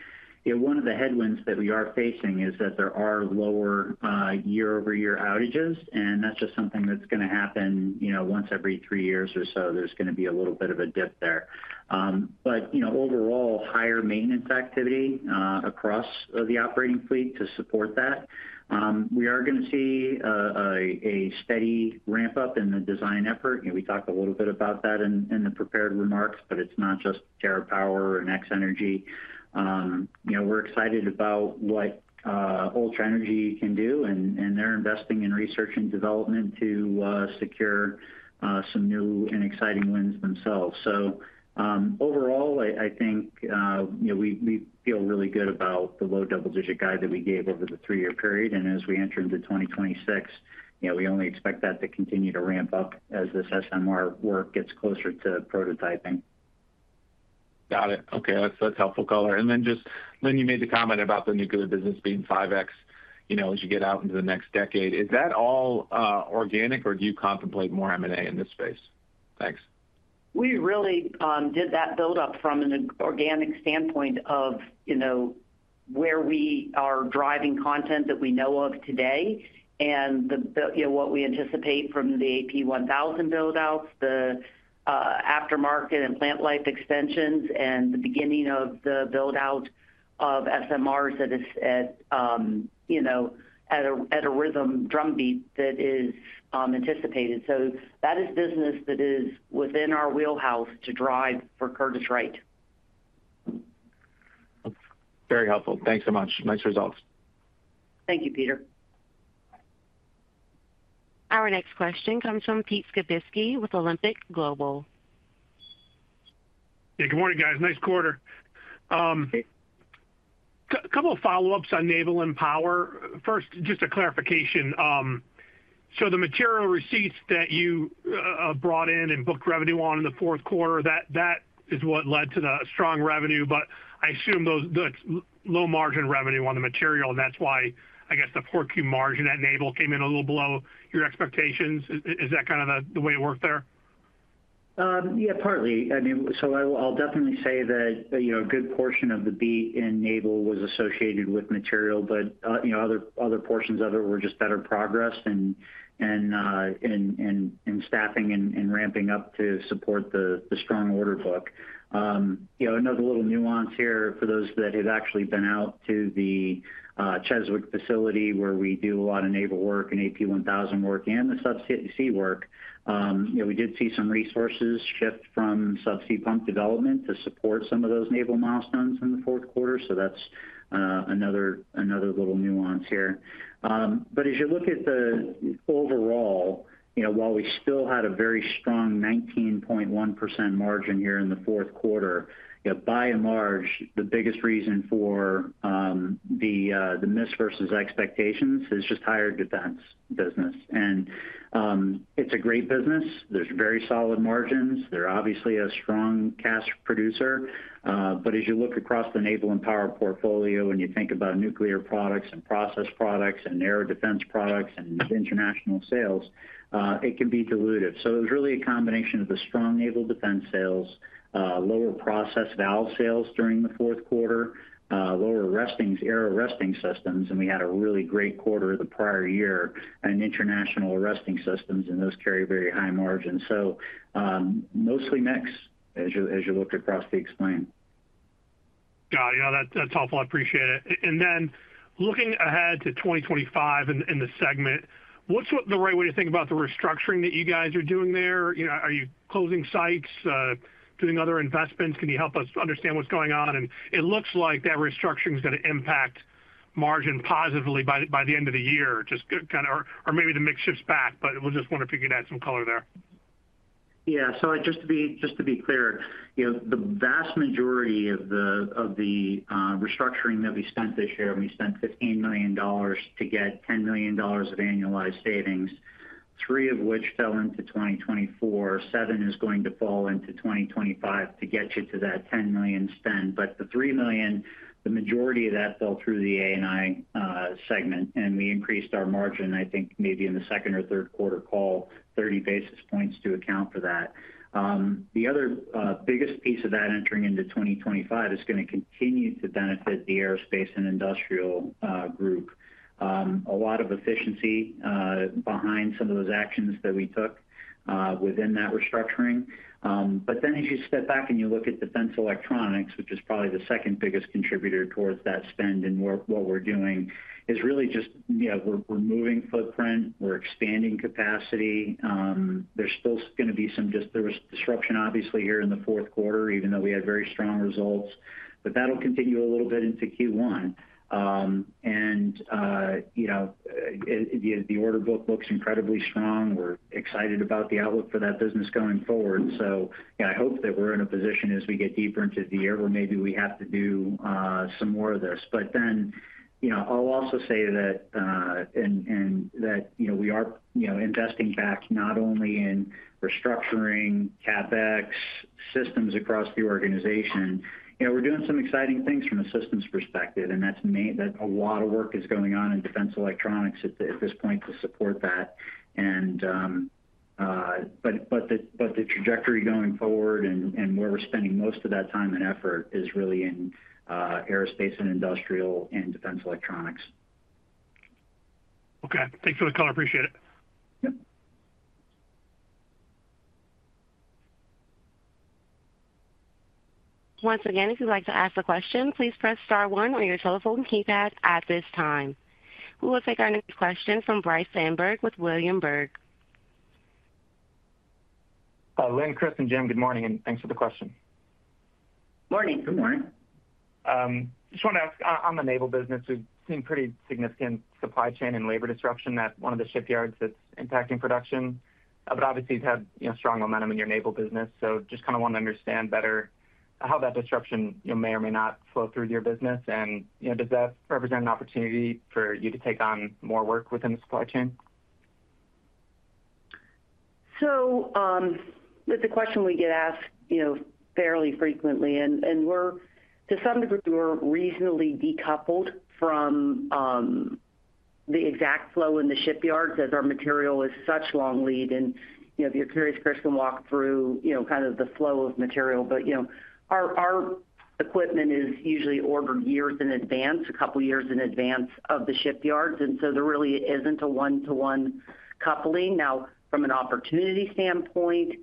one of the headwinds that we are facing is that there are lower year-over-year outages, and that's just something that's going to happen once every three years or so. There's going to be a little bit of a dip there, but overall, higher maintenance activity across the operating fleet to support that. We are going to see a steady ramp-up in the design effort. We talked a little bit about that in the prepared remarks, but it's not just TerraPower and X-energy. We're excited about what Ultra Energy can do, and they're investing in research and development to secure some new and exciting wins themselves. So overall, I think we feel really good about the low double-digit guide that we gave over the three-year period. And as we enter into 2026, we only expect that to continue to ramp up as this SMR work gets closer to prototyping. Got it. Okay. That's helpful color. And then just Lynn, you made the comment about the nuclear business being 5x as you get out into the next decade. Is that all organic, or do you contemplate more M&A in this space? Thanks. We really did that build-up from an organic standpoint of where we are driving content that we know of today and what we anticipate from the AP1000 build-outs, the aftermarket and plant life extensions, and the beginning of the build-out of SMRs at a rhythm drumbeat that is anticipated. So that is business that is within our wheelhouse to drive for Curtiss-Wright. Very helpful. Thanks so much. Nice results. Thank you, Peter. Our next question comes from Pete Skibiski with Alembic Global. Hey. Good morning, guys. Nice quarter. A couple of follow-ups on Naval and Power. First, just a clarification. So the material receipts that you brought in and booked revenue on in the fourth quarter, that is what led to the strong revenue. But I assume that's low margin revenue on the material, and that's why I guess the poor gross margin at Naval came in a little below your expectations. Is that kind of the way it worked there? Yeah, partly. I mean, so I'll definitely say that a good portion of the beat in Naval was associated with material, but other portions of it were just better progress and staffing and ramping up to support the strong order book. Another little nuance here for those that have actually been out to the Cheswick facility where we do a lot of naval work and AP1000 work and the subsea work. We did see some resources shift from subsea pump development to support some of those naval milestones in the fourth quarter. So that's another little nuance here. But as you look at the overall, while we still had a very strong 19.1% margin here in the fourth quarter, by and large, the biggest reason for the miss versus expectations is just higher defense business. And it's a great business. There's very solid margins. They're obviously a strong cash producer. But as you look across the Naval and Power portfolio and you think about nuclear products and process products and air defense products and international sales, it can be dilutive. So it was really a combination of the strong naval defense sales, lower process valve sales during the fourth quarter, lower arresting systems, and we had a really great quarter the prior year in international arresting systems, and those carry very high margins. So mostly mix as you look across the explanation. Got it. Yeah, that's helpful. I appreciate it. And then looking ahead to 2025 in the segment, what's the right way to think about the restructuring that you guys are doing there? Are you closing sites, doing other investments? Can you help us understand what's going on? And it looks like that restructuring is going to impact margin positively by the end of the year, just kind of, or maybe the mix shifts back, but we'll just want to get some color there. Yeah. So just to be clear, the vast majority of the restructuring that we spent this year, and we spent $15 million to get $10 million of annualized savings, three of which fell into 2024, seven is going to fall into 2025 to get you to that $10 million spend. But the $3 million, the majority of that fell through the A&I segment, and we increased our margin, I think, maybe in the second or third quarter call, 30 basis points to account for that. The other biggest piece of that entering into 2025 is going to continue to benefit the Aerospace and Industrial group. A lot of efficiency behind some of those actions that we took within that restructuring. But then as you step back and you look at Defense Electronics, which is probably the second biggest contributor towards that spend and what we're doing, is really just we're moving footprint, we're expanding capacity. There's still going to be some disruption, obviously, here in the fourth quarter, even though we had very strong results, but that'll continue a little bit into Q1. And the order book looks incredibly strong. We're excited about the outlook for that business going forward. So I hope that we're in a position as we get deeper into the year where maybe we have to do some more of this. But then I'll also say that, and that we are investing back not only in restructuring CapEx systems across the organization. We're doing some exciting things from a systems perspective, and that's a lot of work is going on in Defense Electronics at this point to support that. But the trajectory going forward, and where we're spending most of that time and effort is really in Aerospace and Industrial and Defense Electronics. Okay. Thanks for the call. I appreciate it. Once again, if you'd like to ask a question, please press star one on your telephone keypad at this time. We will take our next question from Bryce Sandberg with William Blair. Lynn, Chris, and Jim, good morning, and thanks for the question. Morning. Good morning. Just wanted to ask, on the Naval business, we've seen pretty significant supply chain and labor disruption at one of the shipyards that's impacting production, but obviously, you've had strong momentum in your naval business. So just kind of wanted to understand better how that disruption may or may not flow through your business, and does that represent an opportunity for you to take on more work within the supply chain, So that's a question we get asked fairly frequently, and to some degree, we're reasonably decoupled from the exact flow in the shipyards as our material is such long lead, and if you're curious, Chris can walk through kind of the flow of material, but our equipment is usually ordered years in advance, a couple of years in advance of the shipyards, and so there really isn't a one-to-one coupling. Now, from an opportunity standpoint,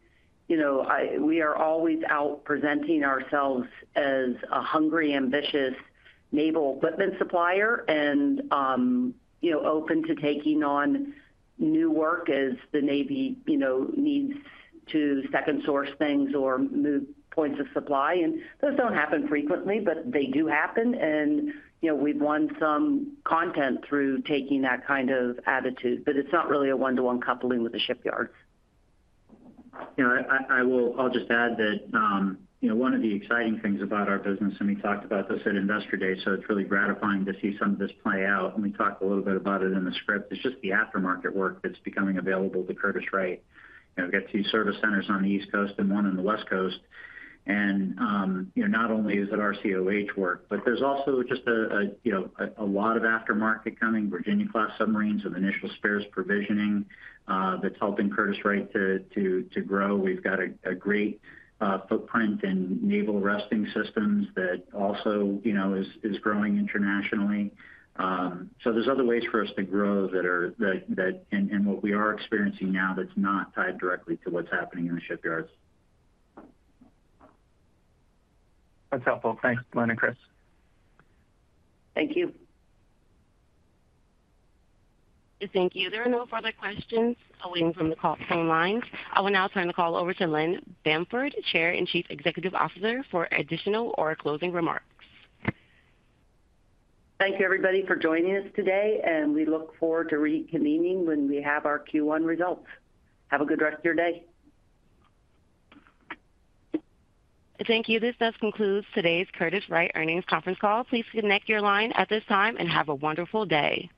we are always out presenting ourselves as a hungry, ambitious naval equipment supplier and open to taking on new work as the Navy needs to second source things or move points of supply. And those don't happen frequently, but they do happen. And we've won some content through taking that kind of attitude. But it's not really a one-to-one coupling with the shipyards. I'll just add that one of the exciting things about our business, and we talked about this at Investor Day, so it's really gratifying to see some of this play out. And we talked a little bit about it in the script. It's just the aftermarket work that's becoming available to Curtiss-Wright. We've got two service centers on the East Coast and one on the West Coast. And not only is it RCOH work, but there's also just a lot of aftermarket coming, Virginia-class submarines with initial spares provisioning that's helping Curtiss-Wright to grow. We've got a great footprint in naval arresting systems that also is growing internationally. So there's other ways for us to grow that are in what we are experiencing now that's not tied directly to what's happening in the shipyards. That's helpful. Thanks, Lynn and Chris. Thank you. Thank you. There are no further questions at this time from the phone lines on the call. I will now turn the call over to Lynn Bamford, Chair and Chief Executive Officer, for additional or closing remarks. Thank you, everybody, for joining us today. And we look forward to reconvening when we have our Q1 results. Have a good rest of your day. Thank you. This does conclude today's Curtiss-Wright earnings conference call. Please connect your line at this time and have a wonderful day.